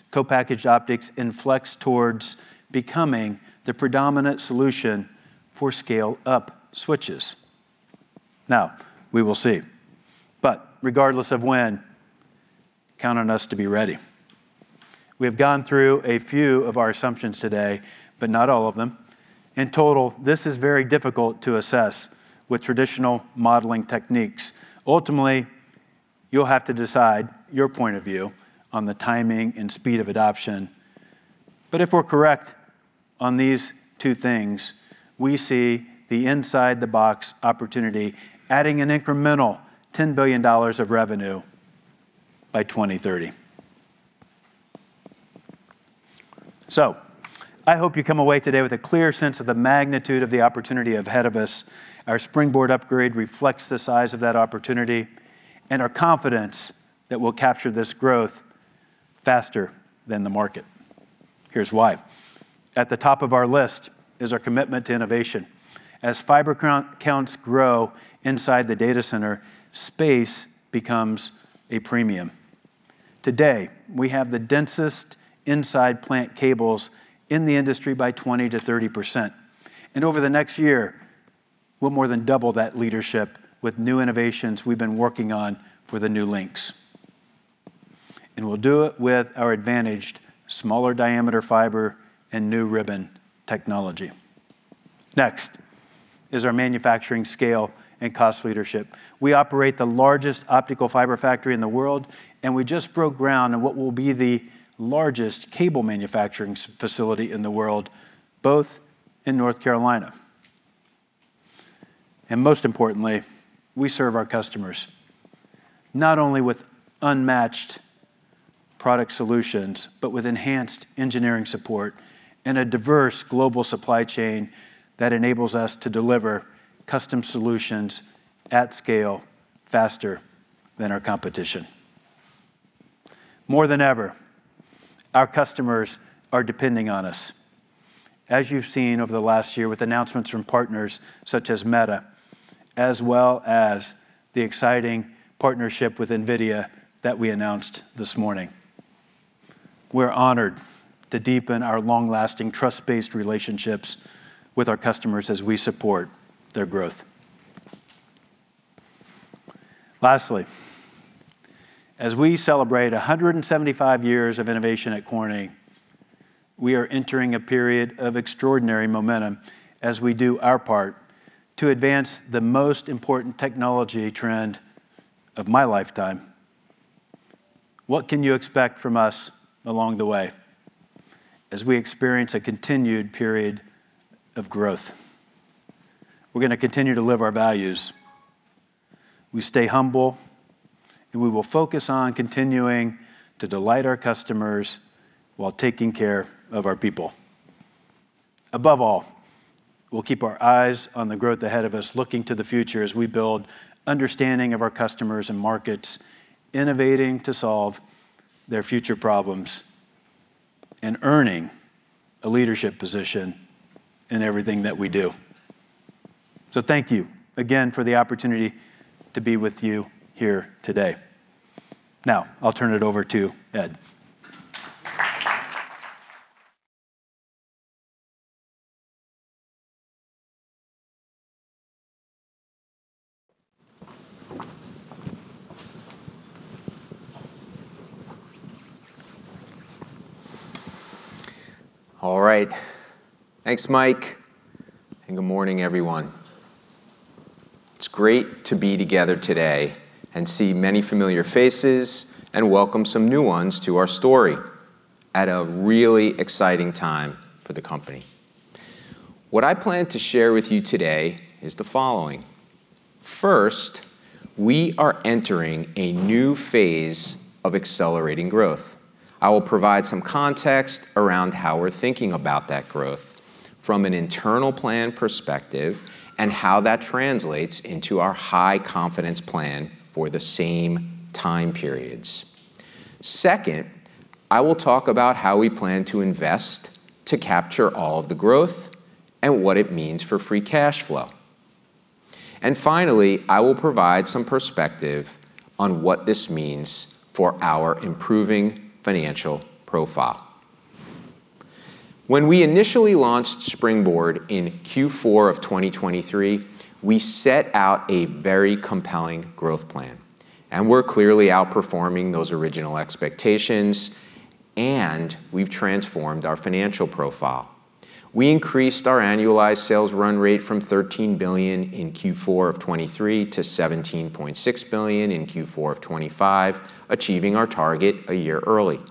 co-packaged optics influx towards becoming the predominant solution for scale-up switches. We will see. Regardless of when, count on us to be ready. We have gone through a few of our assumptions today, but not all of them. In total, this is very difficult to assess with traditional modeling techniques. Ultimately, you'll have to decide your point of view on the timing and speed of adoption. If we're correct on these two things, we see the inside the box opportunity adding an incremental $10 billion of revenue by 2030. I hope you come away today with a clear sense of the magnitude of the opportunity ahead of us. Our Springboard upgrade reflects the size of that opportunity and our confidence that we'll capture this growth faster than the market. Here's why. At the top of our list is our commitment to innovation. As fiber counts grow inside the data center, space becomes a premium. Today, we have the densest inside plant cables in the industry by 20%-30%, and over the next year we'll more than double that leadership with new innovations we've been working on for the new links, and we'll do it with our advantaged smaller diameter fiber and new ribbon technology. Next is our manufacturing scale and cost leadership. We operate the largest optical fiber factory in the world, and we just broke ground on what will be the largest cable manufacturing facility in the world, both in North Carolina. Most importantly, we serve our customers not only with unmatched product solutions, but with enhanced engineering support and a diverse global supply chain that enables us to deliver custom solutions at scale faster than our competition. More than ever, our customers are depending on us, as you've seen over the last year with announcements from partners such as Meta, as well as the exciting partnership with NVIDIA that we announced this morning. We're honored to deepen our long-lasting trust-based relationships with our customers as we support their growth. Lastly, as we celebrate 175 years of innovation at Corning, we are entering a period of extraordinary momentum as we do our part to advance the most important technology trend of my lifetime. What can you expect from us along the way as we experience a continued period of growth? We're gonna continue to live our values. We stay humble, and we will focus on continuing to delight our customers while taking care of our people. Above all, we'll keep our eyes on the growth ahead of us, looking to the future as we build understanding of our customers and markets, innovating to solve their future problems, and earning a leadership position in everything that we do. Thank you again for the opportunity to be with you here today. Now, I'll turn it over to Ed. All right. Thanks, Mike. Good morning, everyone. It's great to be together today and see many familiar faces and welcome some new ones to our story at a really exciting time for the company. What I plan to share with you today is the following. First, we are entering a new phase of accelerating growth. I will provide some context around how we're thinking about that growth from an internal plan perspective and how that translates into our high confidence plan for the same time periods. Second, I will talk about how we plan to invest to capture all of the growth and what it means for free cash flow. Finally, I will provide some perspective on what this means for our improving financial profile. When we initially launched Springboard in Q4 of 2023, we set out a very compelling growth plan. We're clearly outperforming those original expectations. We've transformed our financial profile. We increased our annualized sales run rate from $13 billion in Q4 of 2023 to $17.6 billion in Q4 of 2025, achieving our target a year early.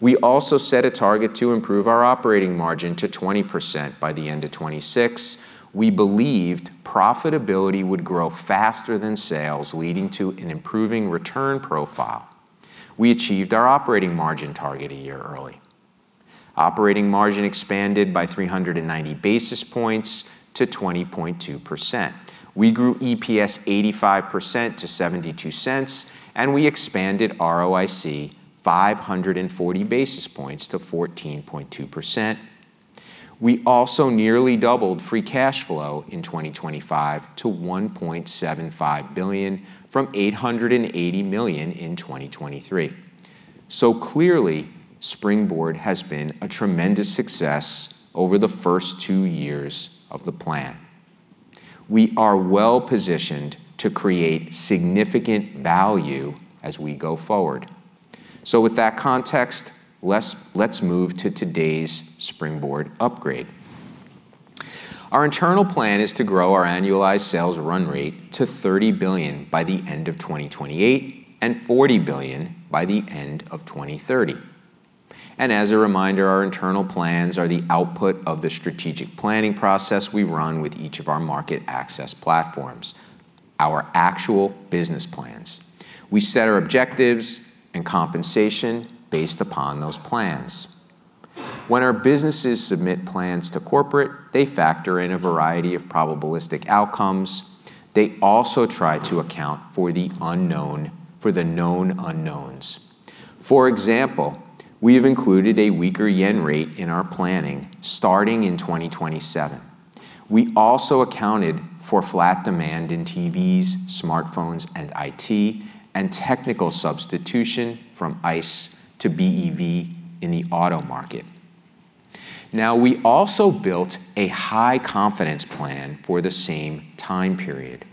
We also set a target to improve our operating margin to 20% by the end of 2026. We believed profitability would grow faster than sales, leading to an improving return profile. We achieved our operating margin target a year early. Operating margin expanded by 390 basis points to 20.2%. We grew EPS 85% to $0.72. We expanded ROIC 540 basis points to 14.2%. We also nearly doubled free cash flow in 2025 to $1.75 billion from $880 million in 2023. Clearly, Springboard has been a tremendous success over the first two years of the plan. We are well-positioned to create significant value as we go forward. With that context, let's move to today's Springboard upgrade. Our internal plan is to grow our annualized sales run rate to $30 billion by the end of 2028, and $40 billion by the end of 2030. As a reminder, our internal plans are the output of the strategic planning process we run with each of our market access platforms, our actual business plans. We set our objectives and compensation based upon those plans. When our businesses submit plans to corporate, they factor in a variety of probabilistic outcomes. They also try to account for the known unknowns. For example, we have included a weaker JPY rate in our planning starting in 2027. We also accounted for flat demand in TVs, smartphones, and IT, and technical substitution from ICE to BEV in the auto market. We also built a high-confidence plan for the same time period.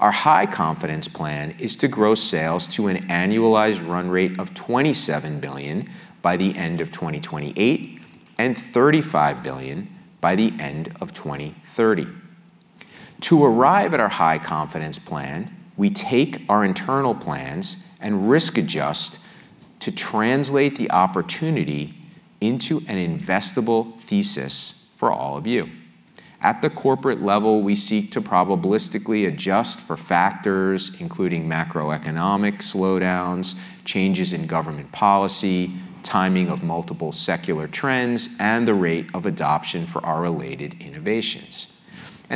Our high-confidence plan is to grow sales to an annualized run rate of $27 billion by the end of 2028 and $35 billion by the end of 2030. To arrive at our high-confidence plan, we take our internal plans and risk adjust to translate the opportunity into an investable thesis for all of you. At the corporate level, we seek to probabilistically adjust for factors including macroeconomic slowdowns, changes in government policy, timing of multiple secular trends, and the rate of adoption for our related innovations.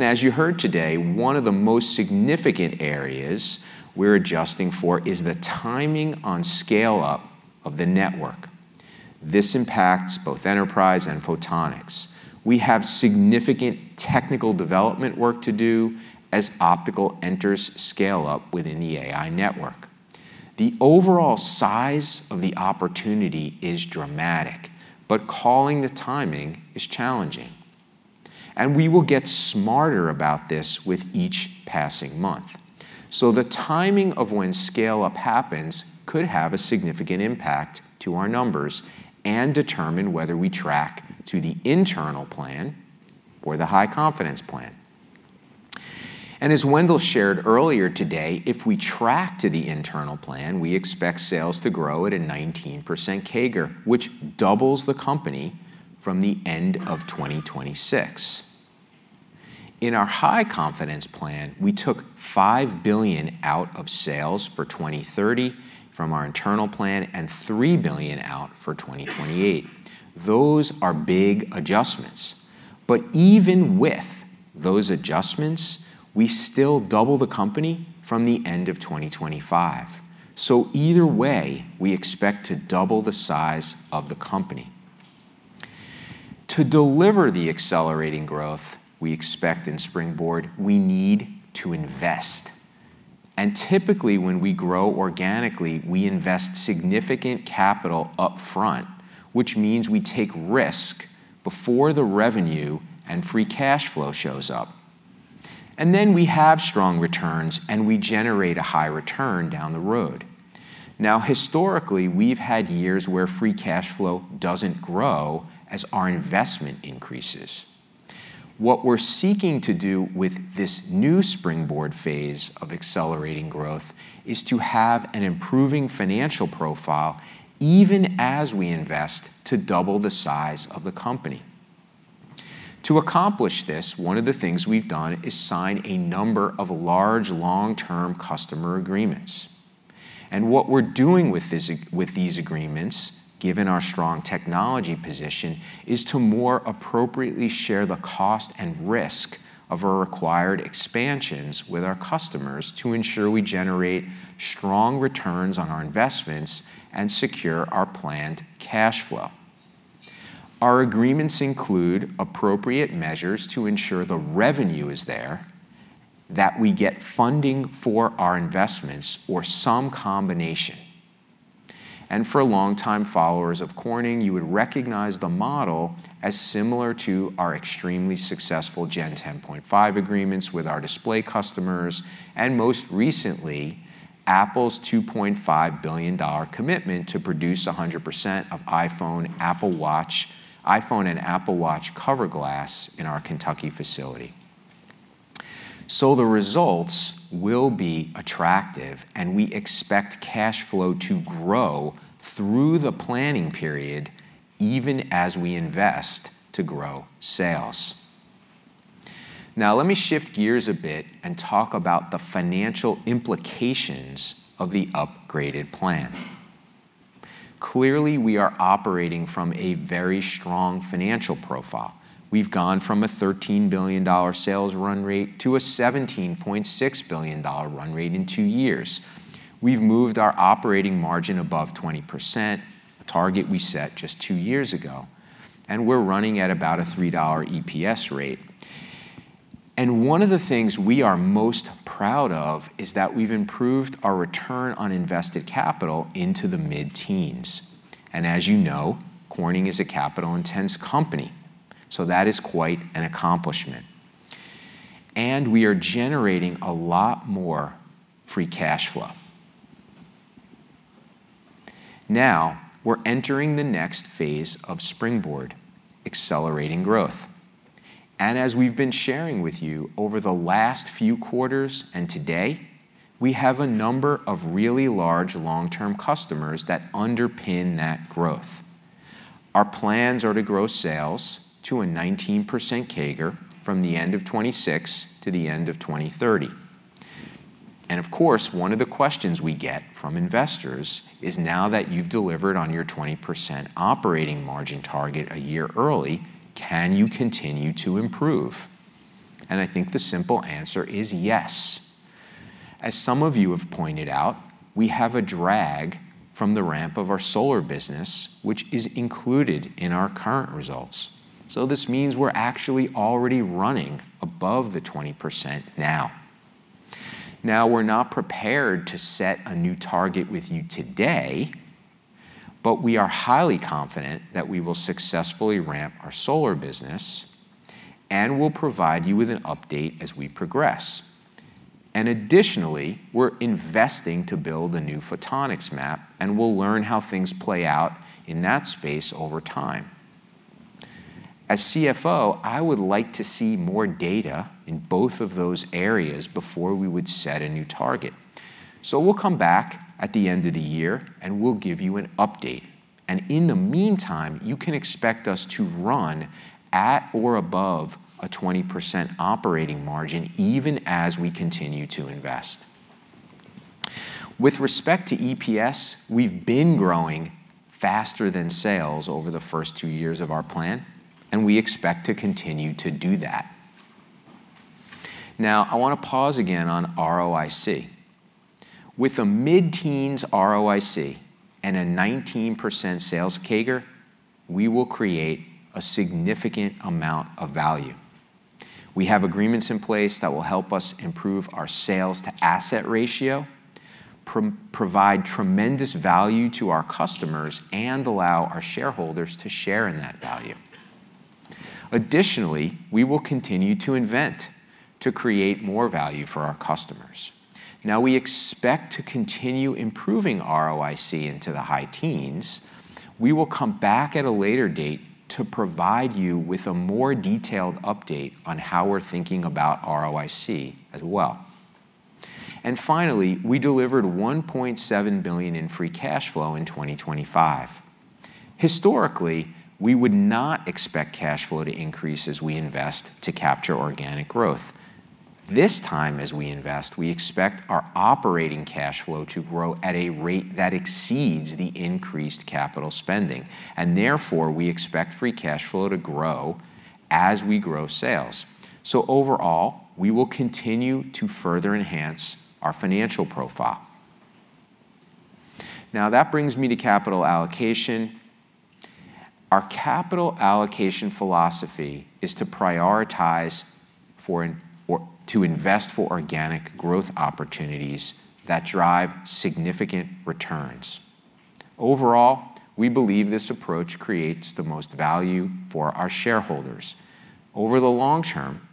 As you heard today, one of the most significant areas we're adjusting for is the timing on scale-up of the network. This impacts both enterprise and Photonics. We have significant technical development work to do as optical enters scale-up within the AI network. The overall size of the opportunity is dramatic, but calling the timing is challenging, and we will get smarter about this with each passing month. The timing of when scale-up happens could have a significant impact to our numbers and determine whether we track to the internal plan or the high-confidence plan. As Wendell shared earlier today, if we track to the internal plan, we expect sales to grow at a 19% CAGR, which doubles the company from the end of 2026. In our high-confidence plan, we took $5 billion out of sales for 2030 from our internal plan and $3 billion out for 2028. Those are big adjustments. Even with those adjustments, we still double the company from the end of 2025. Either way, we expect to double the size of the company. To deliver the accelerating growth we expect in Springboard, we need to invest. Typically, when we grow organically, we invest significant capital upfront, which means we take risk before the revenue and free cash flow shows up. Then we have strong returns, and we generate a high return down the road. Now, historically, we've had years where free cash flow doesn't grow as our investment increases. What we're seeking to do with this new Springboard phase of accelerating growth is to have an improving financial profile, even as we invest to double the size of the company. To accomplish this, one of the things we've done is sign a number of large, long-term customer agreements. What we're doing with these agreements, given our strong technology position, is to more appropriately share the cost and risk of our required expansions with our customers to ensure we generate strong returns on our investments and secure our planned cash flow. Our agreements include appropriate measures to ensure the revenue is there, that we get funding for our investments or some combination. For longtime followers of Corning, you would recognize the model as similar to our extremely successful Gen 10.5 agreements with our display customers, and most recently, Apple's $2.5 billion commitment to produce 100% of iPhone and Apple Watch cover glass in our Kentucky facility. The results will be attractive, and we expect cash flow to grow through the planning period, even as we invest to grow sales. Let me shift gears a bit and talk about the financial implications of the upgraded plan. Clearly, we are operating from a very strong financial profile. We've gone from a $13 billion sales run rate to a $17.6 billion run rate in two years. We've moved our operating margin above 20%, a target we set just two years ago. One of the things we are most proud of is that we've improved our return on invested capital into the mid-teens. As you know, Corning is a capital intense company. That is quite an accomplishment. We are generating a lot more free cash flow. Now, we're entering the next phase of Springboard, accelerating growth. As we've been sharing with you over the last few quarters and today, we have a number of really large long-term customers that underpin that growth. Our plans are to grow sales to a 19% CAGR from the end of 2026 to the end of 2030. Of course, one of the questions we get from investors is now that you've delivered on your 20% operating margin target a year early, can you continue to improve? I think the simple answer is yes. As some of you have pointed out, we have a drag from the ramp of our solar business, which is included in our current results. This means we're actually already running above the 20% now. We're not prepared to set a new target with you today, but we are highly confident that we will successfully ramp our solar business, and we'll provide you with an update as we progress. Additionally, we're investing to build a new Photonics MAP, and we'll learn how things play out in that space over time. As CFO, I would like to see more data in both of those areas before we would set a new target. We'll come back at the end of the year, and we'll give you an update. In the meantime, you can expect us to run at or above a 20% operating margin even as we continue to invest. With respect to EPS, we've been growing faster than sales over the first two years of our plan, and we expect to continue to do that. Now, I wanna pause again on ROIC. With a mid-teens ROIC and a 19% sales CAGR, we will create a significant amount of value. We have agreements in place that will help us improve our sales to asset ratio, provide tremendous value to our customers, and allow our shareholders to share in that value. We will continue to invent to create more value for our customers. We expect to continue improving ROIC into the high teens. We will come back at a later date to provide you with a more detailed update on how we're thinking about ROIC as well. Finally, we delivered $1.7 billion in free cash flow in 2025. Historically, we would not expect cash flow to increase as we invest to capture organic growth. This time as we invest, we expect our operating cash flow to grow at a rate that exceeds the increased capital spending, and therefore, we expect free cash flow to grow as we grow sales. Overall, we will continue to further enhance our financial profile. That brings me to capital allocation. Our capital allocation philosophy is to prioritize to invest for organic growth opportunities that drive significant returns. Overall, we believe this approach creates the most value for our shareholders over the long term.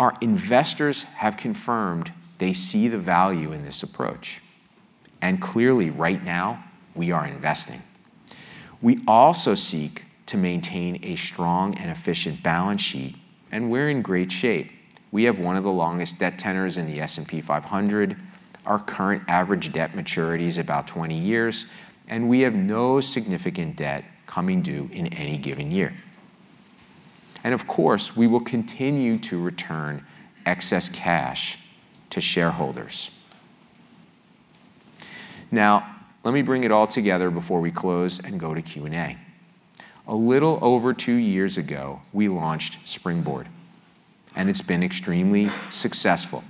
Our investors have confirmed they see the value in this approach. Clearly, right now, we are investing. We also seek to maintain a strong and efficient balance sheet, and we're in great shape. We have one of the longest debt tenors in the S&P 500. Our current average debt maturity is about 20 years, and we have no significant debt coming due in any given year. Of course, we will continue to return excess cash to shareholders. Now, let me bring it all together before we close and go to Q&A. A little over two years ago, we launched Springboard, and it's been extremely successful.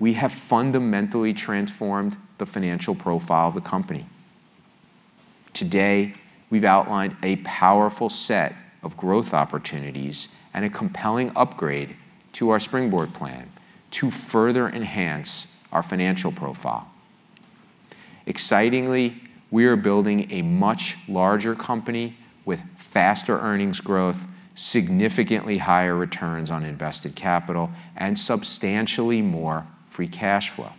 We have fundamentally transformed the financial profile of the company. Today, we've outlined a powerful set of growth opportunities and a compelling upgrade to our Springboard plan to further enhance our financial profile. Excitingly, we are building a much larger company with faster earnings growth, significantly higher returns on invested capital, and substantially more free cash flow.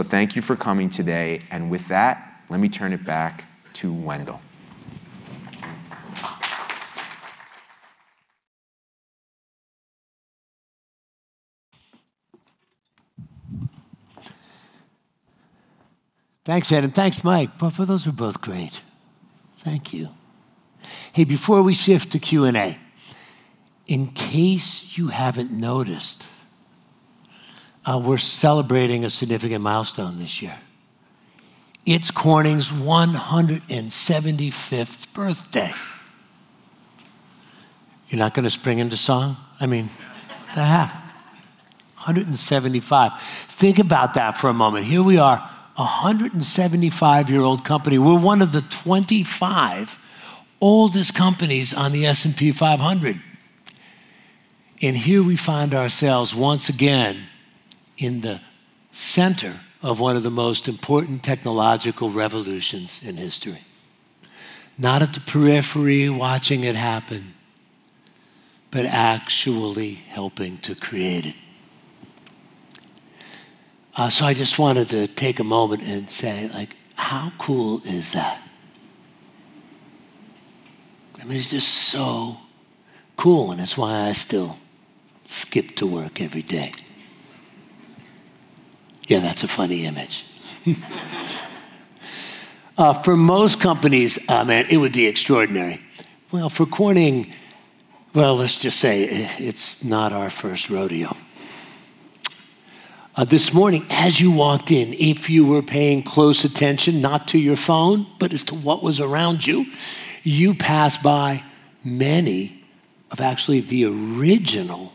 Thank you for coming today. With that, let me turn it back to Wendell. Thanks, Ed. Thanks, Mike. Well, those were both great. Thank you. Hey, before we shift to Q&A, in case you haven't noticed, we're celebrating a significant milestone this year. It's Corning's 175th birthday. You're not gonna spring into song? I mean, what the hell. 175. Think about that for a moment. Here we are, 175-year-old company. We're one of the 25 oldest companies on the S&P 500. Here we find ourselves once again in the center of one of the most important technological revolutions in history, not at the periphery watching it happen, but actually helping to create it. I just wanted to take a moment and say, like, how cool is that. I mean, it's just so cool, and it's why I still skip to work every day. Yeah, that's a funny image. For most companies, man, it would be extraordinary. Well, for Corning, well, let's just say it's not our first rodeo. This morning, as you walked in, if you were paying close attention, not to your phone, but as to what was around you passed by many of actually the original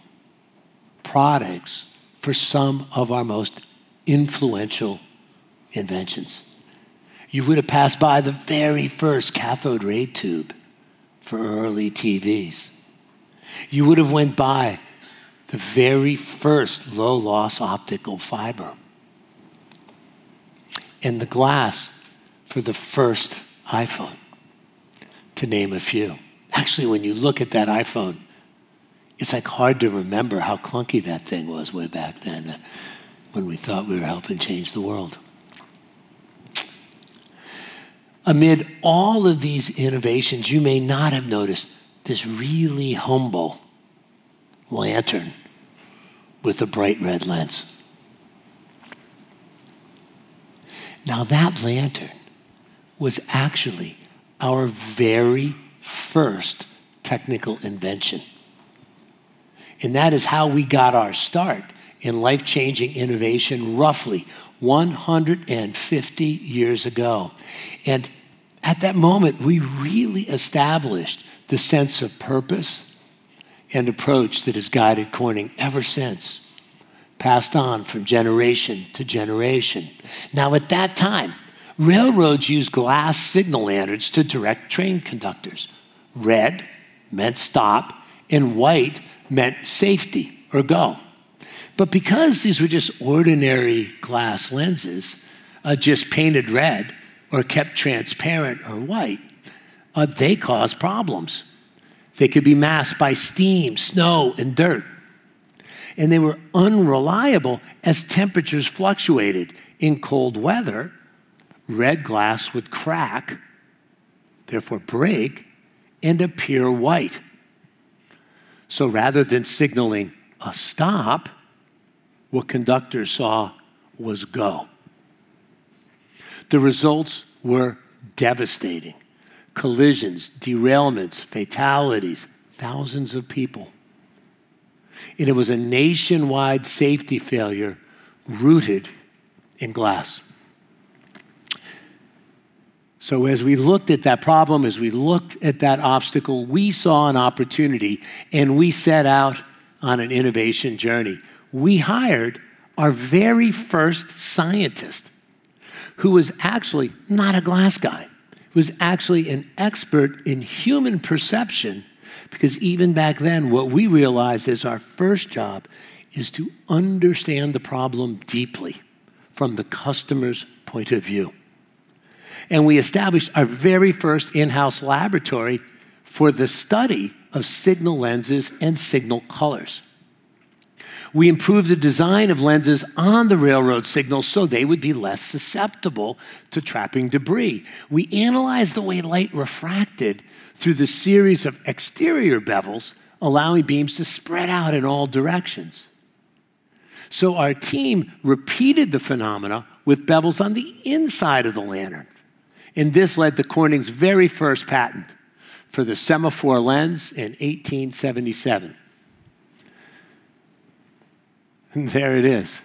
products for some of our most influential inventions. You would have passed by the very first cathode ray tube for early TVs. You would have went by the very first low-loss optical fiber and the glass for the first iPhone, to name a few. Actually, when you look at that iPhone, it's, like, hard to remember how clunky that thing was way back then when we thought we were helping change the world. Amid all of these innovations, you may not have noticed this really humble lantern with a bright red lens. That lantern was actually our very first technical invention, and that is how we got our start in life-changing innovation roughly 150 years ago. At that moment, we really established the sense of purpose and approach that has guided Corning ever since, passed on from generation to generation. At that time, railroads used glass signal lanterns to direct train conductors. Red meant stop, and white meant safety or go. Because these were just ordinary glass lenses, just painted red or kept transparent or white, they caused problems. They could be masked by steam, snow, and dirt, and they were unreliable as temperatures fluctuated. In cold weather, red glass would crack, therefore break, and appear white. Rather than signaling a stop, what conductors saw was go. The results were devastating. Collisions, derailments, fatalities, thousands of people. It was a nationwide safety failure rooted in glass. As we looked at that problem, as we looked at that obstacle, we saw an opportunity, and we set out on an innovation journey. We hired our very first scientist, who was actually not a glass guy, who was actually an expert in human perception, because even back then, what we realized is our first job is to understand the problem deeply from the customer's point of view. We established our very first in-house laboratory for the study of signal lenses and signal colors. We improved the design of lenses on the railroad signal so they would be less susceptible to trapping debris. We analyzed the way light refracted through the series of exterior bevels, allowing beams to spread out in all directions. Our team repeated the phenomena with bevels on the inside of the lantern, and this led to Corning's very first patent for the semaphore lens in 1877. There it is.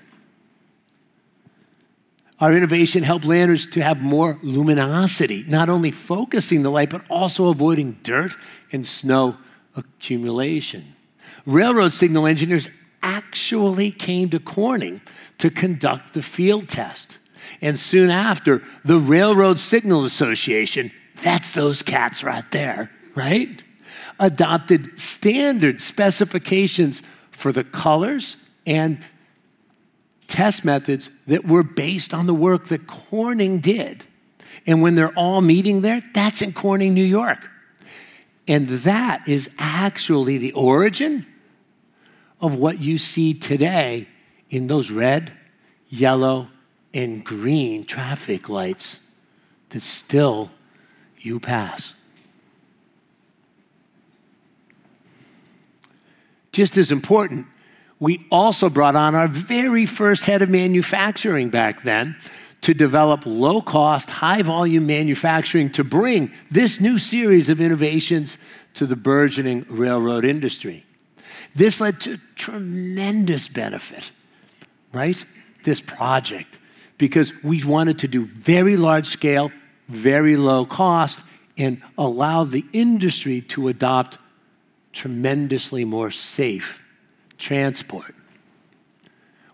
Our innovation helped lanterns to have more luminosity, not only focusing the light, but also avoiding dirt and snow accumulation. Railroad signal engineers actually came to Corning to conduct the field test, and soon after, the Railway Signal Association, that's those cats right there, right, adopted standard specifications for the colors and test methods that were based on the work that Corning did. When they're all meeting there, that's in Corning, New York. That is actually the origin of what you see today in those red, yellow, and green traffic lights that still you pass. Just as important, we also brought on our very first head of manufacturing back then to develop low-cost, high-volume manufacturing to bring this new series of innovations to the burgeoning railroad industry. This led to tremendous benefit, right, this project. Because we wanted to do very large scale, very low cost, and allow the industry to adopt tremendously more safe transport.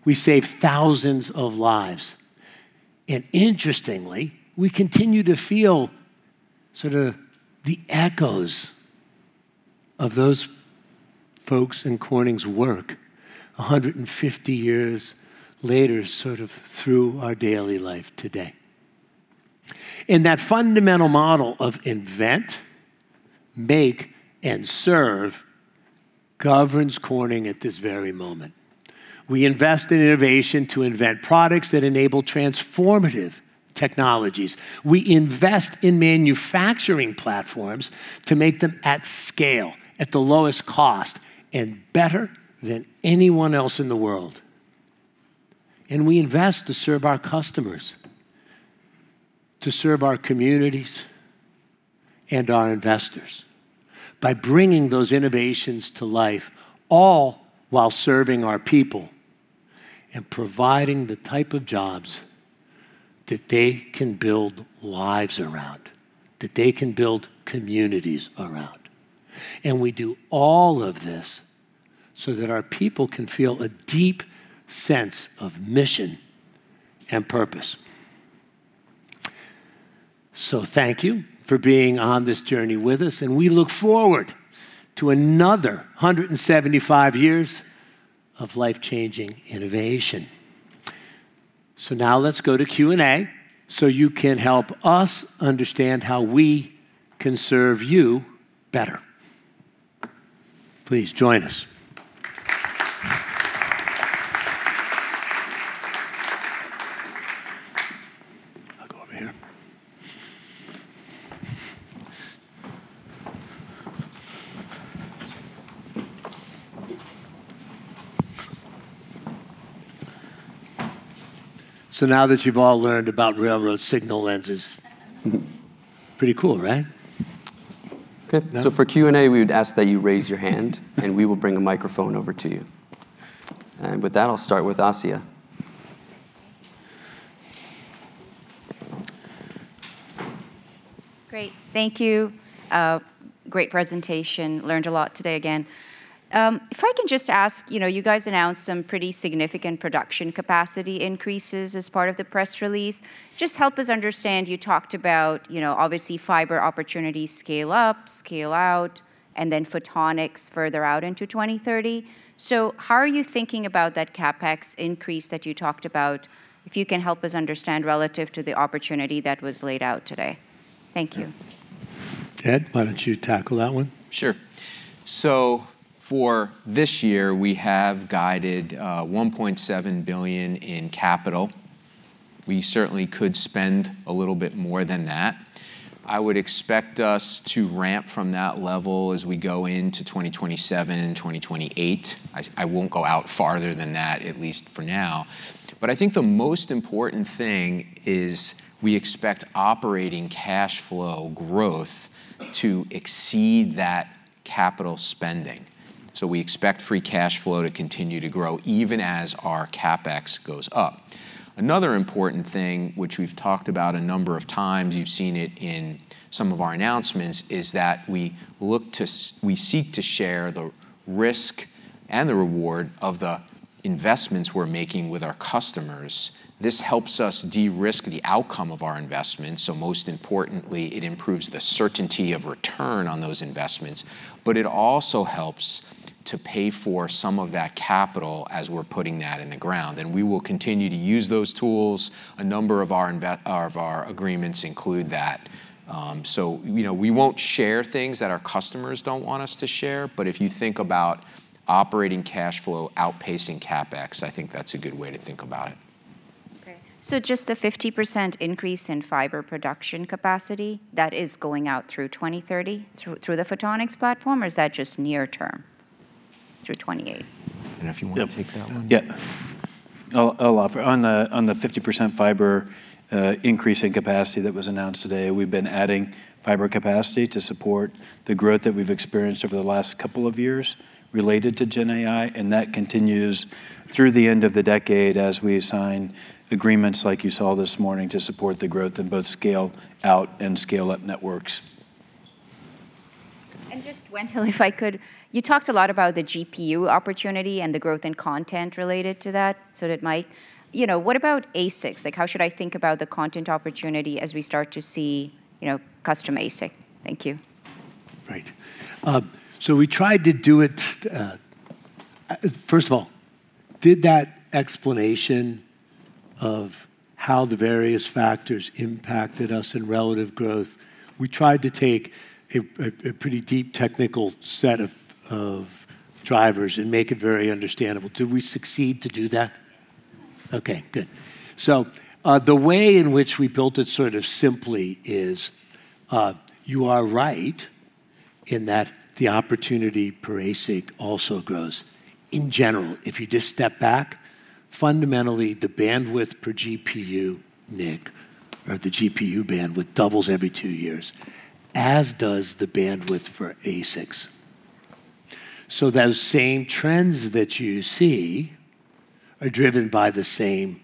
We saved thousands of lives. Interestingly, we continue to feel sort of the echoes of those folks and Corning's work 150 years later sort of through our daily life today. That fundamental model of invent, make, and serve governs Corning at this very moment. We invest in innovation to invent products that enable transformative technologies. We invest in manufacturing platforms to make them at scale, at the lowest cost, and better than anyone else in the world. We invest to serve our customers, to serve our communities, and our investors by bringing those innovations to life, all while serving our people and providing the type of jobs that they can build lives around, that they can build communities around. We do all of this so that our people can feel a deep sense of mission and purpose. Thank you for being on this journey with us, and we look forward to another 175 years of life-changing innovation. Now let's go to Q&A so you can help us understand how we can serve you better. Please join us. I'll go over here. Now that you've all learned about railroad signal lenses, pretty cool, right? Okay. For Q&A, we would ask that you raise your hand, and we will bring a microphone over to you. With that, I'll start with Asiya. Great. Thank you. Great presentation. Learned a lot today again. If I can just ask, you know, you guys announced some pretty significant production capacity increases as part of the press release. Just help us understand, you talked about, you know, obviously fiber opportunities scale up, scale out, and then Photonics further out into 2030. How are you thinking about that CapEx increase that you talked about, if you can help us understand relative to the opportunity that was laid out today? Thank you. Ed, why don't you tackle that one? Sure. For this year, we have guided $1.7 billion in capital. We certainly could spend a little bit more than that. I would expect us to ramp from that level as we go into 2027, 2028. I won't go out farther than that, at least for now. I think the most important thing is we expect operating cash flow growth to exceed that capital spending. We expect free cash flow to continue to grow even as our CapEx goes up. Another important thing, which we've talked about a number of times, you've seen it in some of our announcements, is that we look to we seek to share the risk and the reward of the investments we're making with our customers. This helps us de-risk the outcome of our investments, so most importantly, it improves the certainty of return on those investments, but it also helps to pay for some of that capital as we're putting that in the ground. We will continue to use those tools. A number of our agreements include that. You know, we won't share things that our customers don't want us to share, but if you think about operating cash flow outpacing CapEx, I think that's a good way to think about it. Just the 50% increase in fiber production capacity, that is going out through 2030 through the Photonics platform, or is that just near term through 2028? If you want to take that one. I'll offer. On the 50% fiber increase in capacity that was announced today, we've been adding fiber capacity to support the growth that we've experienced over the last couple of years related to GenAI, and that continues through the end of the decade as we sign agreements like you saw this morning to support the growth in both scale out and scale up networks. Just, Wendell, if I could, you talked a lot about the GPU opportunity and the growth in content related to that, so did Mike. You know, what about ASICs? Like, how should I think about the content opportunity as we start to see, you know, custom ASIC? Thank you. Right. First of all, we tried to take a pretty deep technical set of drivers and make it very understandable. Did we succeed to do that? Yes. Okay, good. The way in which we built it sort of simply is, you are right in that the opportunity per ASIC also grows. In general, if you just step back, fundamentally the bandwidth per GPU NIC or the GPU bandwidth doubles every two years, as does the bandwidth for ASICs. Those same trends that you see are driven by the same.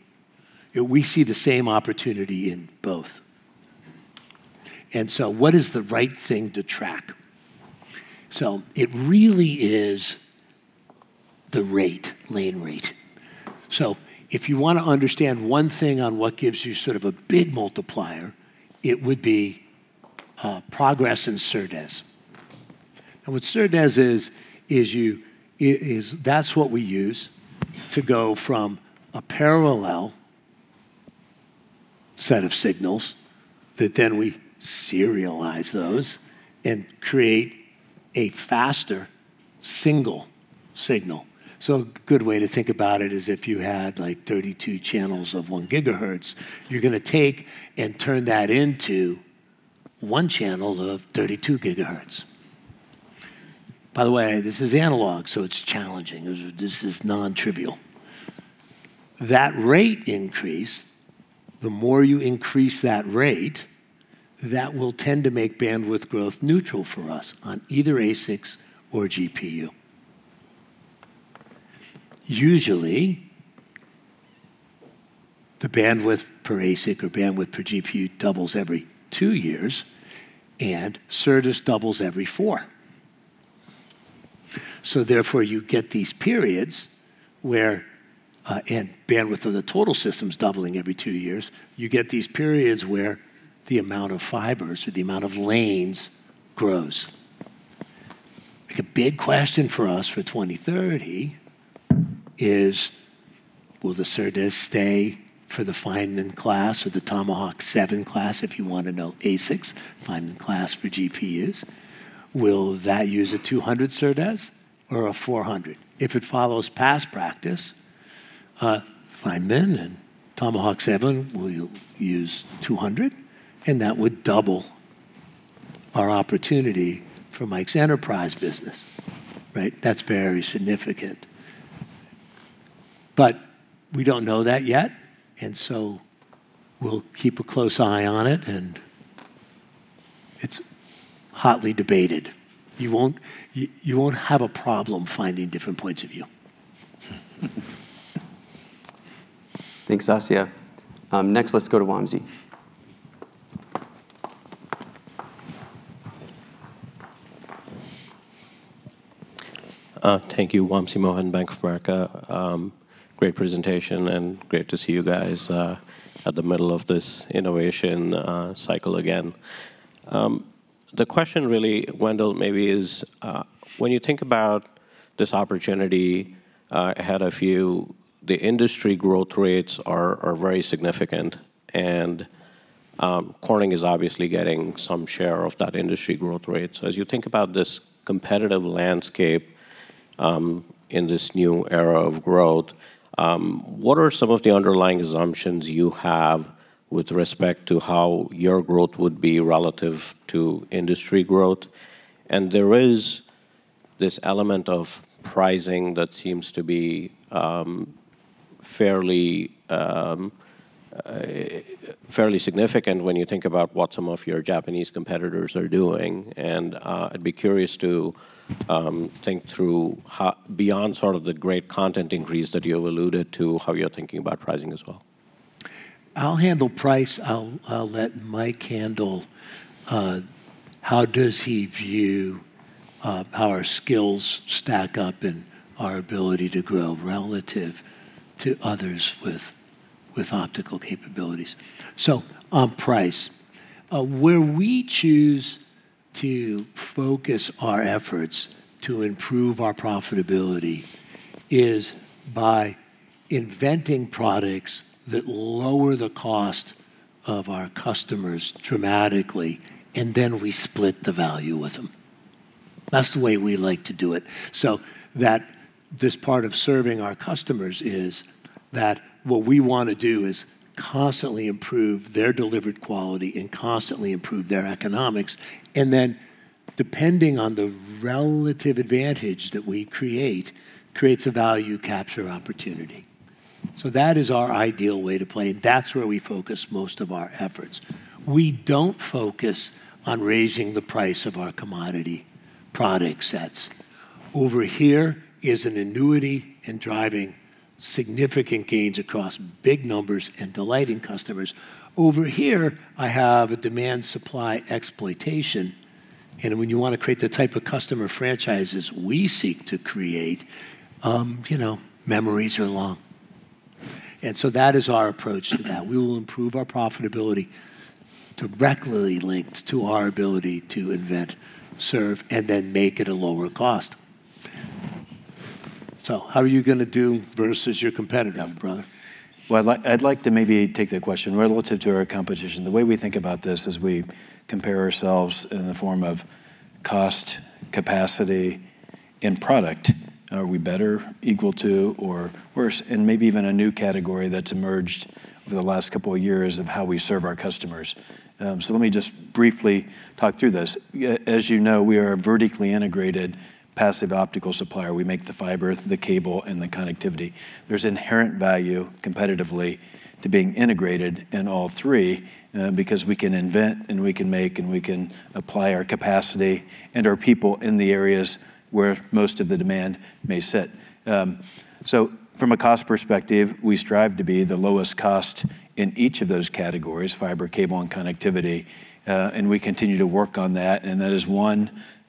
We see the same opportunity in both. What is the right thing to track? It really is the rate, lane rate. If you want to understand one thing on what gives you sort of a big multiplier, it would be, progress in SerDes. What SerDes is, that's what we use to go from a parallel set of signals that then we serialize those and create a faster single signal. A good way to think about it is if you had like 32 channels of 1 GHz, you're gonna take and turn that into one channel of 32 GHz. By the way, this is analog, so it's challenging. This is non-trivial. That rate increase, the more you increase that rate, that will tend to make bandwidth growth neutral for us on either ASICs or GPU. Usually, the bandwidth per ASIC or bandwidth per GPU doubles every two years, and SerDes doubles every four. Therefore, you get these periods where, and bandwidth of the total system's doubling every two years. You get these periods where the amount of fibers or the amount of lanes grows. Like, a big question for us for 2030 is will the SerDes stay for the Feynman class or the Tomahawk 7 class, if you wanna know ASICs, Feynman class for GPUs. Will that use a 200 SerDes or a 400? If it follows past practice, Feynman and Tomahawk 7 will use 200, and that would double our opportunity for Mike's enterprise business, right? That's very significant. We don't know that yet, and so we'll keep a close eye on it, and it's hotly debated. You won't have a problem finding different points of view. Thanks, Asiya. Next, let's go to Wamsi. Thank you. Wamsi Mohan, Bank of America. Great presentation, and great to see you guys at the middle of this innovation cycle again. The question really, Wendell, maybe is, when you think about this opportunity ahead of you, the industry growth rates are very significant and Corning is obviously getting some share of that industry growth rate. As you think about this competitive landscape in this new era of growth, what are some of the underlying assumptions you have with respect to how your growth would be relative to industry growth? There is this element of pricing that seems to be fairly significant when you think about what some of your Japanese competitors are doing. I'd be curious to think through beyond sort of the great content increase that you've alluded to, how you're thinking about pricing as well. I'll handle price. I'll let Mike handle how does he view how our skills stack up and our ability to grow relative to others with optical capabilities. On price, where we choose to focus our efforts to improve our profitability is by inventing products that lower the cost of our customers dramatically, and then we split the value with them. That's the way we like to do it. That this part of serving our customers is that what we wanna do is constantly improve their delivered quality and constantly improve their economics. Depending on the relative advantage that we create, creates a value capture opportunity. That is our ideal way to play, and that's where we focus most of our efforts. We don't focus on raising the price of our commodity product sets. Over here is an annuity in driving significant gains across big numbers and delighting customers. Over here, I have a demand-supply exploitation. When you wanna create the type of customer franchises we seek to create, you know, memories are long. That is our approach to that. We will improve our profitability directly linked to our ability to invent, serve, and then make it a lower cost. How are you gonna do versus your competitor, brother? Well, I'd like to maybe take that question. Relative to our competition, the way we think about this is we compare ourselves in the form of cost, capacity- In product, are we better, equal to, or worse? Maybe even a new category that's emerged over the last couple of years of how we serve our customers. Let me just briefly talk through this. As you know, we are a vertically integrated passive optical supplier. We make the fiber, the cable, and the connectivity. There's inherent value competitively to being integrated in all three, because we can invent, and we can make, and we can apply our capacity and our people in the areas where most of the demand may sit. From a cost perspective, we strive to be the lowest cost in each of those categories, fiber, cable, and connectivity. We continue to work on that, and that is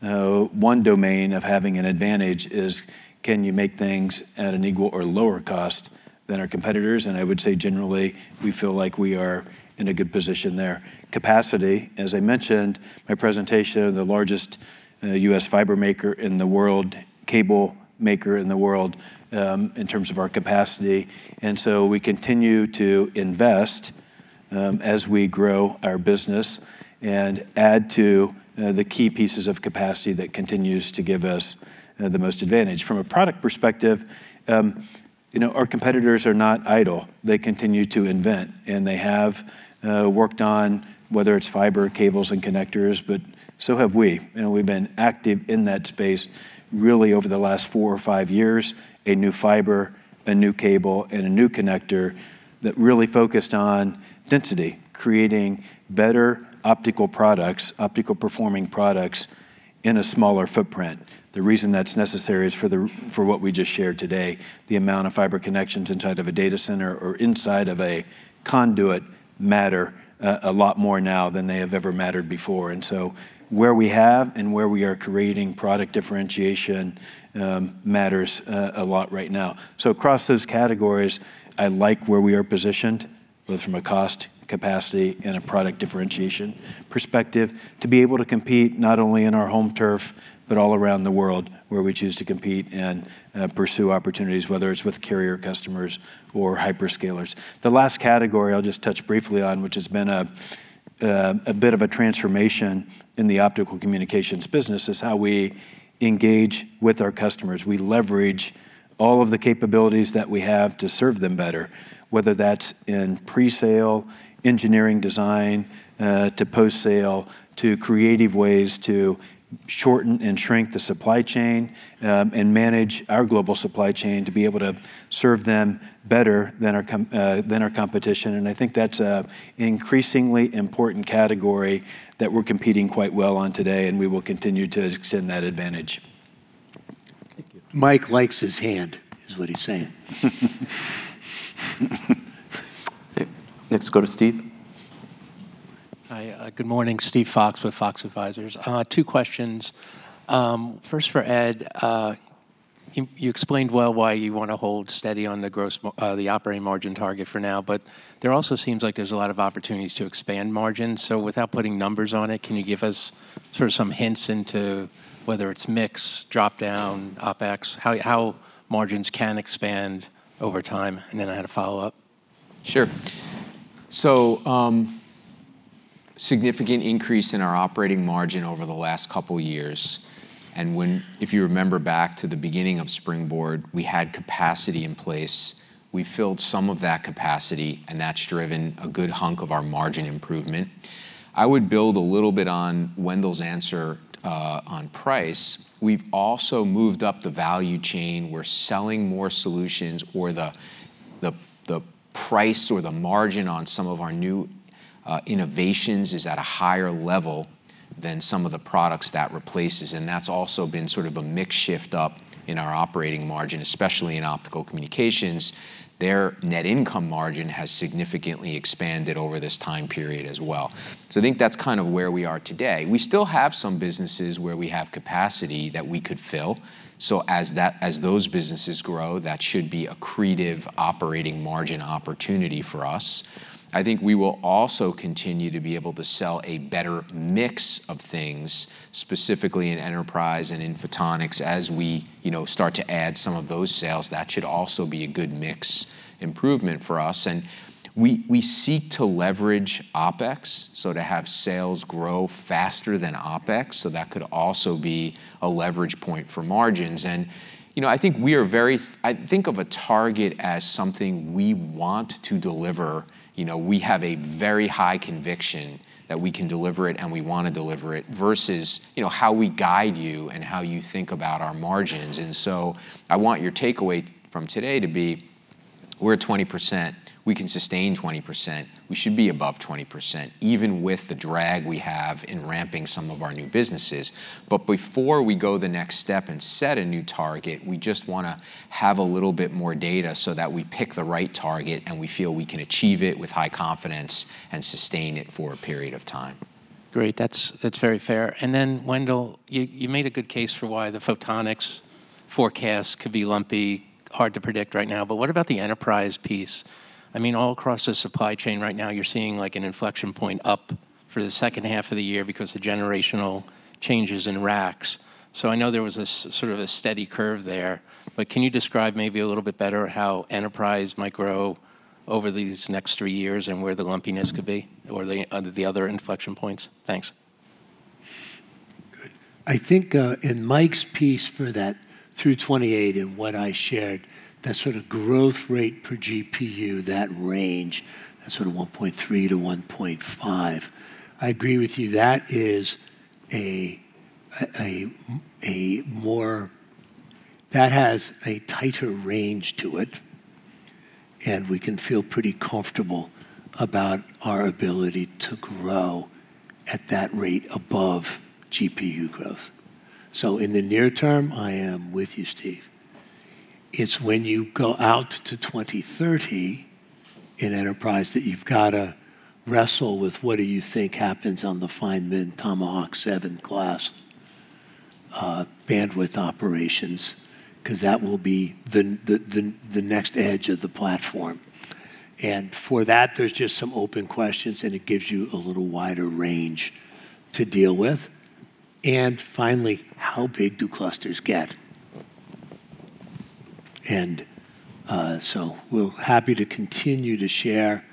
one domain of having an advantage is can you make things at an equal or lower cost than our competitors? I would say generally, we feel like we are in a good position there. Capacity, as I mentioned, my presentation, the largest U.S. fiber maker in the world, cable maker in the world, in terms of our capacity. We continue to invest, as we grow our business and add to the key pieces of capacity that continues to give us the most advantage. From a product perspective, you know, our competitors are not idle. They continue to invent, and they have worked on whether it's fiber, cables, and connectors, but so have we. You know, we've been active in that space really over the last four or five years, a new fiber, a new cable, and a new connector that really focused on density, creating better optical products, optical performing products in a smaller footprint. The reason that's necessary is for what we just shared today, the amount of fiber connections inside of a data center or inside of a conduit matter a lot more now than they have ever mattered before. Where we have and where we are creating product differentiation matters a lot right now. Across those categories, I like where we are positioned, both from a cost, capacity, and a product differentiation perspective, to be able to compete not only in our home turf, but all around the world where we choose to compete and pursue opportunities, whether it's with carrier customers or hyperscalers. The last category I'll just touch briefly on, which has been a bit of a transformation in the Optical Communications business, is how we engage with our customers. We leverage all of the capabilities that we have to serve them better, whether that's in pre-sale, engineering design, to post-sale, to creative ways to shorten and shrink the supply chain, and manage our global supply chain to be able to serve them better than our competition. I think that's an increasingly important category that we're competing quite well on today, and we will continue to extend that advantage. Thank you. Mike likes his hand, is what he's saying. Next, go to Steve. Hi, good morning. Steve Fox with Fox Advisors. Two questions. First for Ed. You explained well why you wanna hold steady on the operating margin target for now. There also seems like there's a lot of opportunities to expand margins. Without putting numbers on it, can you give us sort of some hints into whether it's mix, drop-down, OpEx, how margins can expand over time? I had a follow-up. Sure. Significant increase in our operating margin over the last couple years. If you remember back to the beginning of Springboard, we had capacity in place. We filled some of that capacity, and that's driven a good hunk of our margin improvement. I would build a little bit on Wendell's answer on price. We've also moved up the value chain. We're selling more solutions, or the price or the margin on some of our new innovations is at a higher level than some of the products that replaces. That's also been sort of a mix shift up in our operating margin, especially in Optical Communications. Their net income margin has significantly expanded over this time period as well. I think that's kind of where we are today. We still have some businesses where we have capacity that we could fill. As those businesses grow, that should be accretive operating margin opportunity for us. I think we will also continue to be able to sell a better mix of things, specifically in enterprise and in photonics. As we, you know, start to add some of those sales, that should also be a good mix improvement for us. We seek to leverage OpEx, so to have sales grow faster than OpEx, so that could also be a leverage point for margins. You know, I think we are very I think of a target as something we want to deliver. You know, we have a very high conviction that we can deliver it, and we wanna deliver it, versus, you know, how we guide you and how you think about our margins. I want your takeaway from today to be we're at 20%, we can sustain 20%. We should be above 20%, even with the drag we have in ramping some of our new businesses. Before we go the next step and set a new target, we just wanna have a little bit more data so that we pick the right target, and we feel we can achieve it with high confidence and sustain it for a period of time. Great. That's very fair. Wendell, you made a good case for why the Photonics forecast could be lumpy, hard to predict right now. What about the enterprise piece? I mean, all across the supply chain right now, you're seeing, like, an inflection point up for the second half of the year because the generational changes in racks. I know there was a sort of a steady curve there. Can you describe maybe a little bit better how enterprise might grow over these next three years and where the lumpiness could be or the other inflection points? Thanks. I think, in Mike's piece for that through 2028 and what I shared, that sort of growth rate per GPU, that range, that sort of 1.3-1.5, I agree with you. That has a tighter range to it, and we can feel pretty comfortable about our ability to grow at that rate above GPU growth. In the near term, I am with you, Steve. It's when you go out to 2030 in enterprise that you've gotta wrestle with what do you think happens on the Feynman Tomahawk 7 class bandwidth operations, 'cause that will be the next edge of the platform. For that, there's just some open questions, and it gives you a little wider range to deal with. Finally, how big do clusters get? We're happy to continue to share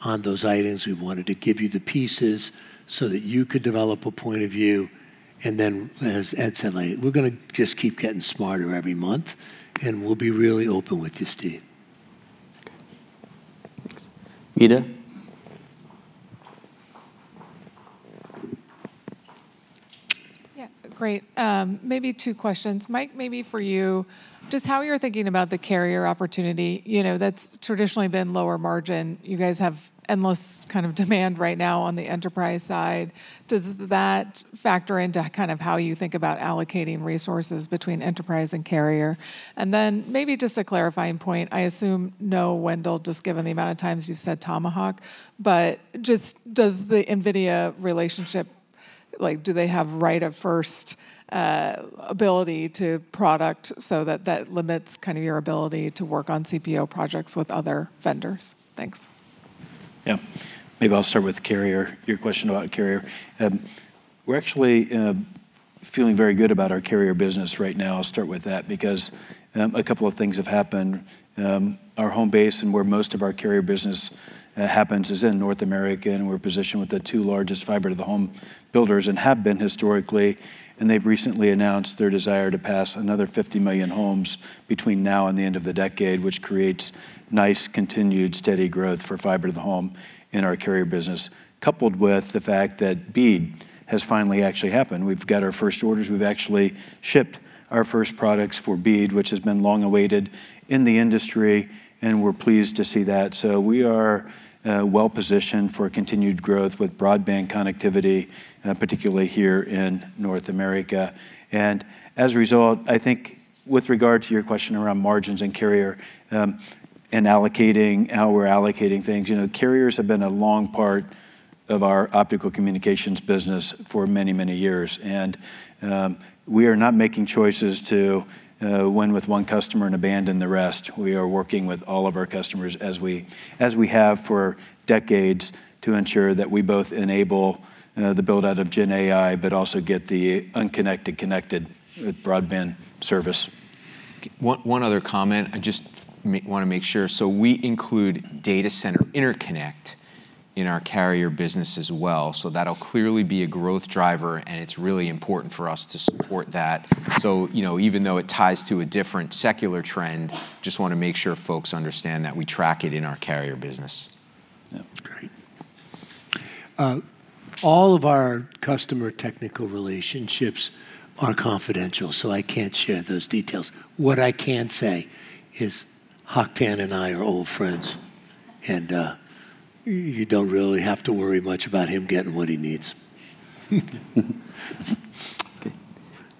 on those items. We wanted to give you the pieces so that you could develop a point of view. As Ed said, like, we're going to just keep getting smarter every month, and we'll be really open with you, Steve. Okay. Thanks. Mehdi? Yeah, great. Maybe two questions. Mike, maybe for you, just how you're thinking about the carrier opportunity. You know, that's traditionally been lower margin. You guys have endless kind of demand right now on the enterprise side. Does that factor into kind of how you think about allocating resources between enterprise and carrier? Then maybe just a clarifying point. I assume no, Wendell, just given the amount of times you've said Tomahawk, just does the NVIDIA relationship, like, do they have right of first ability to product so that that limits kind of your ability to work on CPO projects with other vendors? Thanks. Yeah. Maybe I'll start with carrier, your question about carrier. We're actually feeling very good about our carrier business right now. I'll start with that because a couple of things have happened. Our home base and where most of our carrier business happens is in North America, and we're positioned with the two largest fiber to the home builders and have been historically, and they've recently announced their desire to pass another 50 million homes between now and the end of the decade, which creates nice continued steady growth for fiber to the home in our carrier business, coupled with the fact that BEAD has finally actually happened. We've got our first orders. We've actually shipped our first products for BEAD, which has been long awaited in the industry, and we're pleased to see that. We are well positioned for continued growth with broadband connectivity, particularly here in North America. As a result, I think with regard to your question around margins and carrier, and allocating, how we're allocating things, you know, carriers have been a long part of our Optical Communications business for many, many years. We are not making choices to win with one customer and abandon the rest. We are working with all of our customers as we, as we have for decades to ensure that we both enable the build-out of GenAI, but also get the unconnected connected with broadband service. One other comment. I just wanna make sure. We include data center interconnect in our carrier business as well. That'll clearly be a growth driver, and it's really important for us to support that. You know, even though it ties to a different secular trend, just wanna make sure folks understand that we track it in our carrier business. Yeah. Great. All of our customer technical relationships are confidential, so I can't share those details. What I can say is Hock Tan and I are old friends, and you don't really have to worry much about him getting what he needs. Okay.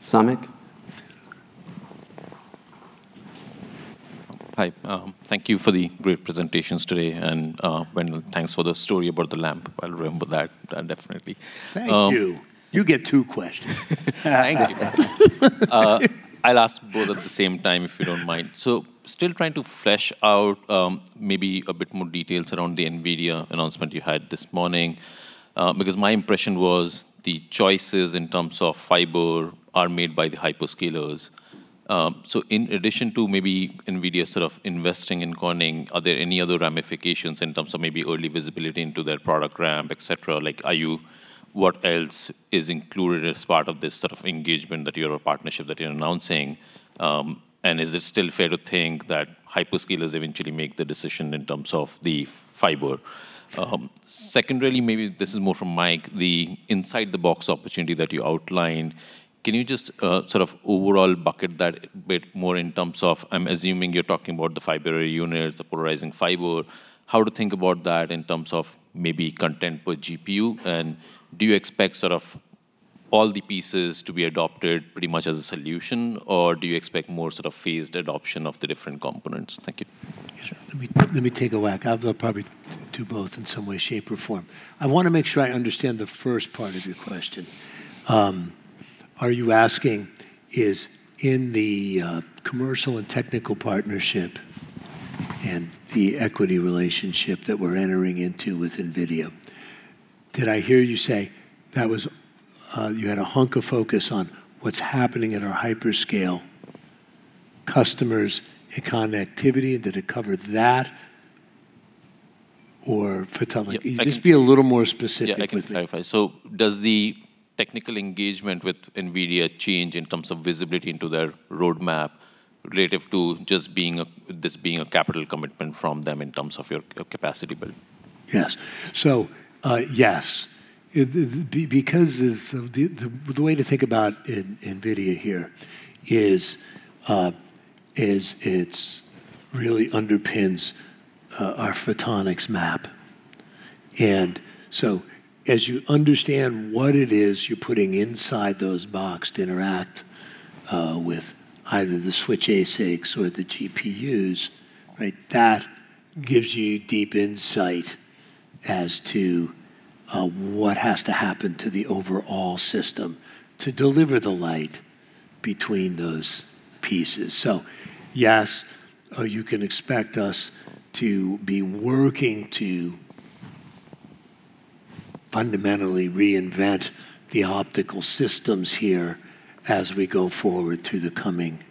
Samik? Hi. Thank you for the great presentations today, and Wendell, thanks for the story about the lamp. I'll remember that, definitely. Thank you. You get two questions. Thank you. I'll ask both at the same time if you don't mind. Still trying to flesh out maybe a bit more details around the NVIDIA announcement you had this morning. My impression was the choices in terms of fiber are made by the hyperscalers. In addition to maybe NVIDIA sort of investing in Corning, are there any other ramifications in terms of maybe early visibility into their product ramp, et cetera? Like, what else is included as part of this sort of engagement that you're a partnership that you're announcing? Is it still fair to think that hyperscalers eventually make the decision in terms of the fiber? Secondarily, maybe this is more for Mike, the inside the box opportunity that you outlined, can you just sort of overall bucket that bit more in terms of I'm assuming you're talking about the Fiber Array Units, the polarizing fiber, how to think about that in terms of maybe content per GPU? And do you expect sort of all the pieces to be adopted pretty much as a solution, or do you expect more sort of phased adoption of the different components? Thank you. Sure. Let me take a whack. I'll probably do both in some way, shape, or form. I wanna make sure I understand the first part of your question. Are you asking is in the commercial and technical partnership and the equity relationship that we're entering into with NVIDIA, did I hear you say that was you had a hunk of focus on what's happening at our hyperscale customers and connectivity? Did it cover that? Or photonic? Yeah. Just be a little more specific with it. Yeah, I can clarify. Does the technical engagement with NVIDIA change in terms of visibility into their roadmap relative to just being this being a capital commitment from them in terms of your capacity build? Yes. Yes. Because it's the way to think about NVIDIA here is it's really underpins our Photonics MAP. As you understand what it is you're putting inside those box to interact with either the switch ASICs or the GPUs, right? That gives you deep insight as to what has to happen to the overall system to deliver the light between those pieces. Yes, you can expect us to be working to fundamentally reinvent the optical systems here as we go forward through the coming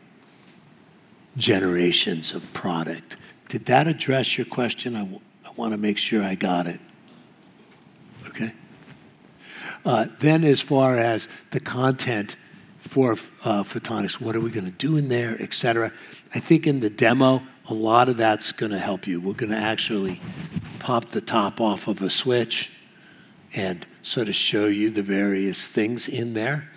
generations of product. Did that address your question? I wanna make sure I got it. Okay. As far as the content for Photonics, what are we gonna do in there, et cetera, I think in the demo a lot of that's gonna help you. We're gonna actually pop the top off of a switch and sort of show you the various things in there.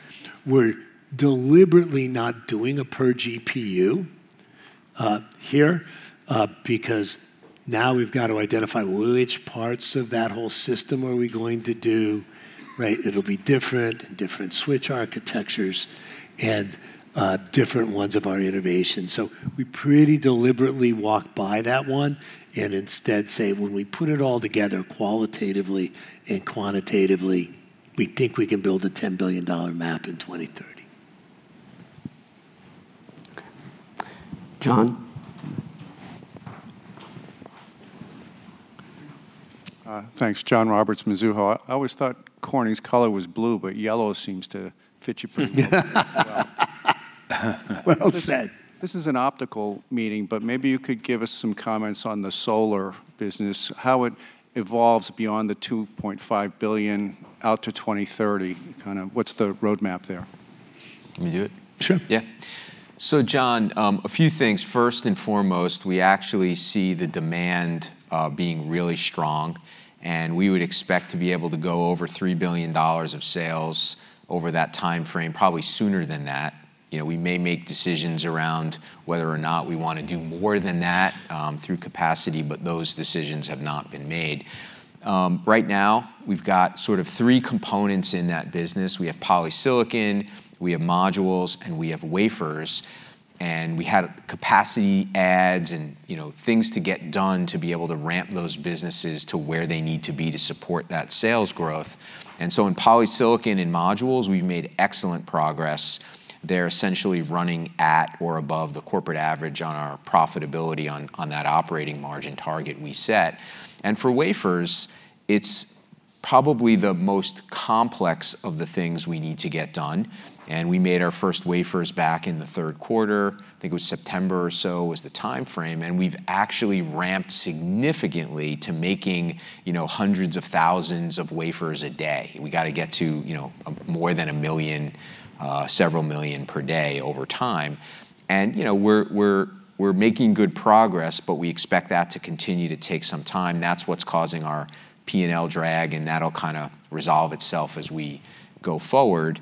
We're deliberately not doing a per GPU here, because now we've got to identify which parts of that whole system are we going to do, right? It'll be different switch architectures and different ones of our innovations. We pretty deliberately walk by that one and instead say, "When we put it all together qualitatively and quantitatively, we think we can build a $10 billion map in 2030. Okay. John? Thanks. John Roberts, Mizuho. I always thought Corning's color was blue, but yellow seems to fit you pretty well. Well said. This is an optical meeting, but maybe you could give us some comments on the solar business, how it evolves beyond the $2.5 billion out to 2030. Kinda what's the roadmap there? Let me do it? Sure. Yeah. John, a few things. First and foremost, we actually see the demand being really strong, and we would expect to be able to go over $3 billion of sales over that timeframe, probably sooner than that. You know, we may make decisions around whether or not we wanna do more than that through capacity, but those decisions have not been made. Right now we've got sort of three components in that business. We have polysilicon, we have modules, and we have wafers, and we had capacity adds and, you know, things to get done to be able to ramp those businesses to where they need to be to support that sales growth. In polysilicon and modules, we've made excellent progress. They're essentially running at or above the corporate average on our profitability on that operating margin target we set. For wafers, it's probably the most complex of the things we need to get done, we made our first wafers back in the third quarter, I think it was September or so was the timeframe, and we've actually ramped significantly to making, you know, hundreds of thousands of wafers a day. We gotta get to, you know, more than a million, several million per day over time. You know, we're making good progress, but we expect that to continue to take some time. That's what's causing our P&L drag, and that'll kinda resolve itself as we go forward.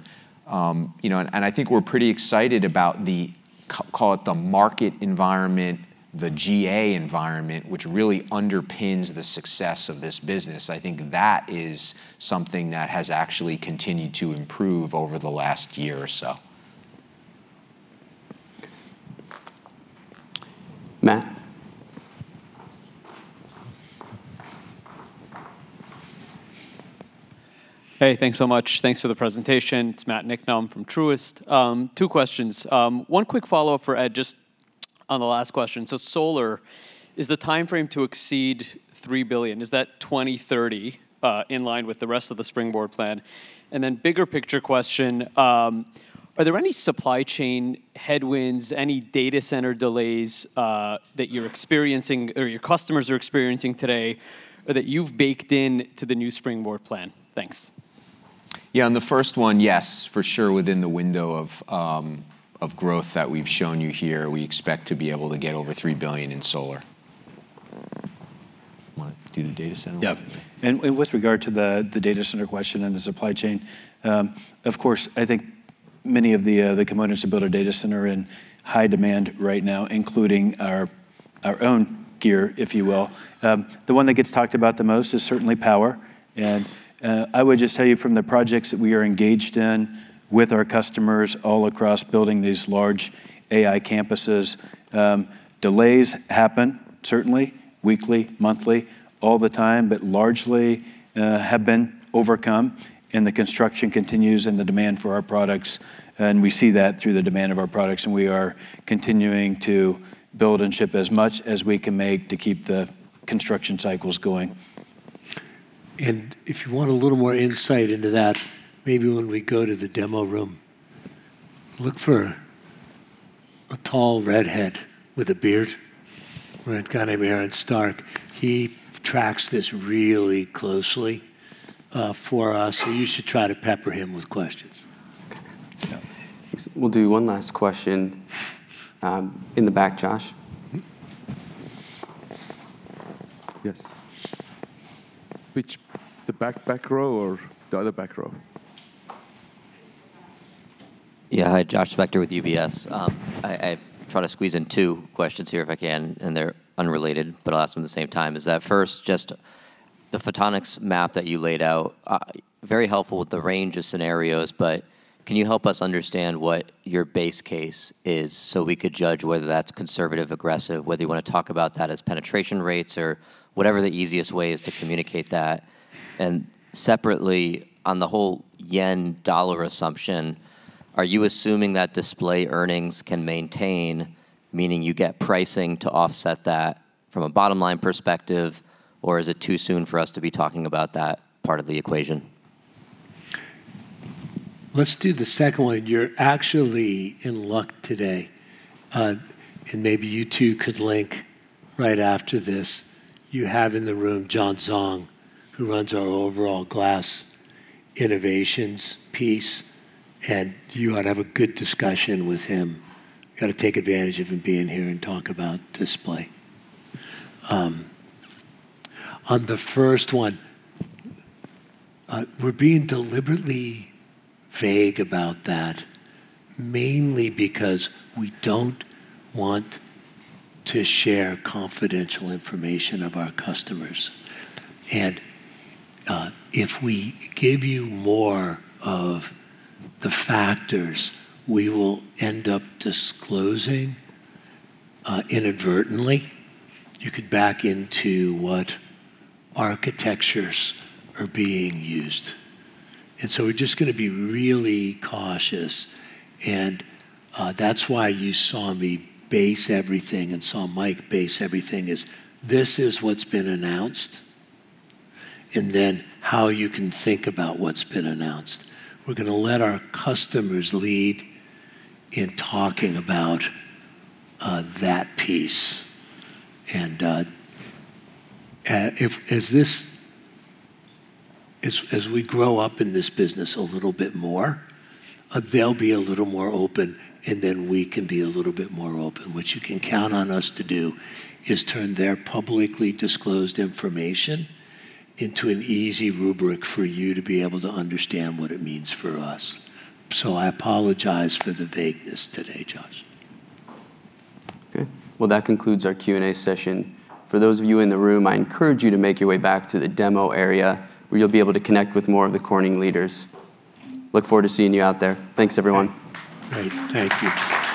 You know, I think we're pretty excited about the, call it the market environment, the GenAI environment, which really underpins the success of this business. I think that is something that has actually continued to improve over the last year or so. Matt? Hey, thanks so much. Thanks for the presentation. It's Matt Niknam from Truist. Two questions. One quick follow-up for Ed, just on the last question. Solar, is the timeframe to exceed $3 billion, is that 2030, in line with the rest of the Springboard plan? Bigger picture question, are there any supply chain headwinds, any data center delays, that you're experiencing or your customers are experiencing today that you've baked in to the new Springboard plan? Thanks. On the first one, yes, for sure within the window of growth that we've shown you here, we expect to be able to get over $3 billion in solar. Wanna do the data center one? Yeah. With regard to the data center question and the supply chain, of course, I think many of the components that build a data center are in high demand right now, including our own gear, if you will. The one that gets talked about the most is certainly power. I would just tell you from the projects that we are engaged in with our customers all across building these large AI campuses, delays happen certainly weekly, monthly, all the time, but largely have been overcome and the construction continues and the demand for our products, and we see that through the demand of our products, and we are continuing to build and ship as much as we can make to keep the construction cycles going. If you want a little more insight into that, maybe when we go to the demo room, look for a tall redhead with a beard. We've got a man, Aaron Stark. He tracks this really closely for us, so you should try to pepper him with questions. Okay. Yeah. Thanks. We'll do one last question, in the back. Josh? Mm-hmm. Yes. Which, the back row or the other back row? Yeah. Hi, Josh Spector with UBS. I try to squeeze in two questions here if I can, and they're unrelated, but I'll ask them at the same time. Is that first just the Photonics MAP that you laid out, very helpful with the range of scenarios, but can you help us understand what your base case is so we could judge whether that's conservative, aggressive, whether you wanna talk about that as penetration rates or whatever the easiest way is to communicate that? Separately, on the whole yen-dollar assumption, are you assuming that display earnings can maintain, meaning you get pricing to offset that from a bottom line perspective, or is it too soon for us to be talking about that part of the equation? Let's do the second one. You're actually in luck today. Maybe you two could link right after this. You have in the room John Zhang, who runs our overall glass innovations piece, and you ought to have a good discussion with him. You gotta take advantage of him being here and talk about display. On the first one, we're being deliberately vague about that, mainly because we don't want to share confidential information of our customers. If we give you more of the factors, we will end up disclosing, inadvertently, you could back into what architectures are being used. We're just gonna be really cautious, that's why you saw me base everything and saw Mike base everything is, this is what's been announced and then how you can think about what's been announced. We're gonna let our customers lead in talking about that piece. As we grow up in this business a little bit more, they'll be a little more open, and then we can be a little bit more open. What you can count on us to do is turn their publicly disclosed information into an easy rubric for you to be able to understand what it means for us. I apologize for the vagueness today, Josh. Okay. Well, that concludes our Q&A session. For those of you in the room, I encourage you to make your way back to the demo area, where you'll be able to connect with more of the Corning leaders. Look forward to seeing you out there. Thanks, everyone. Great. Thank you.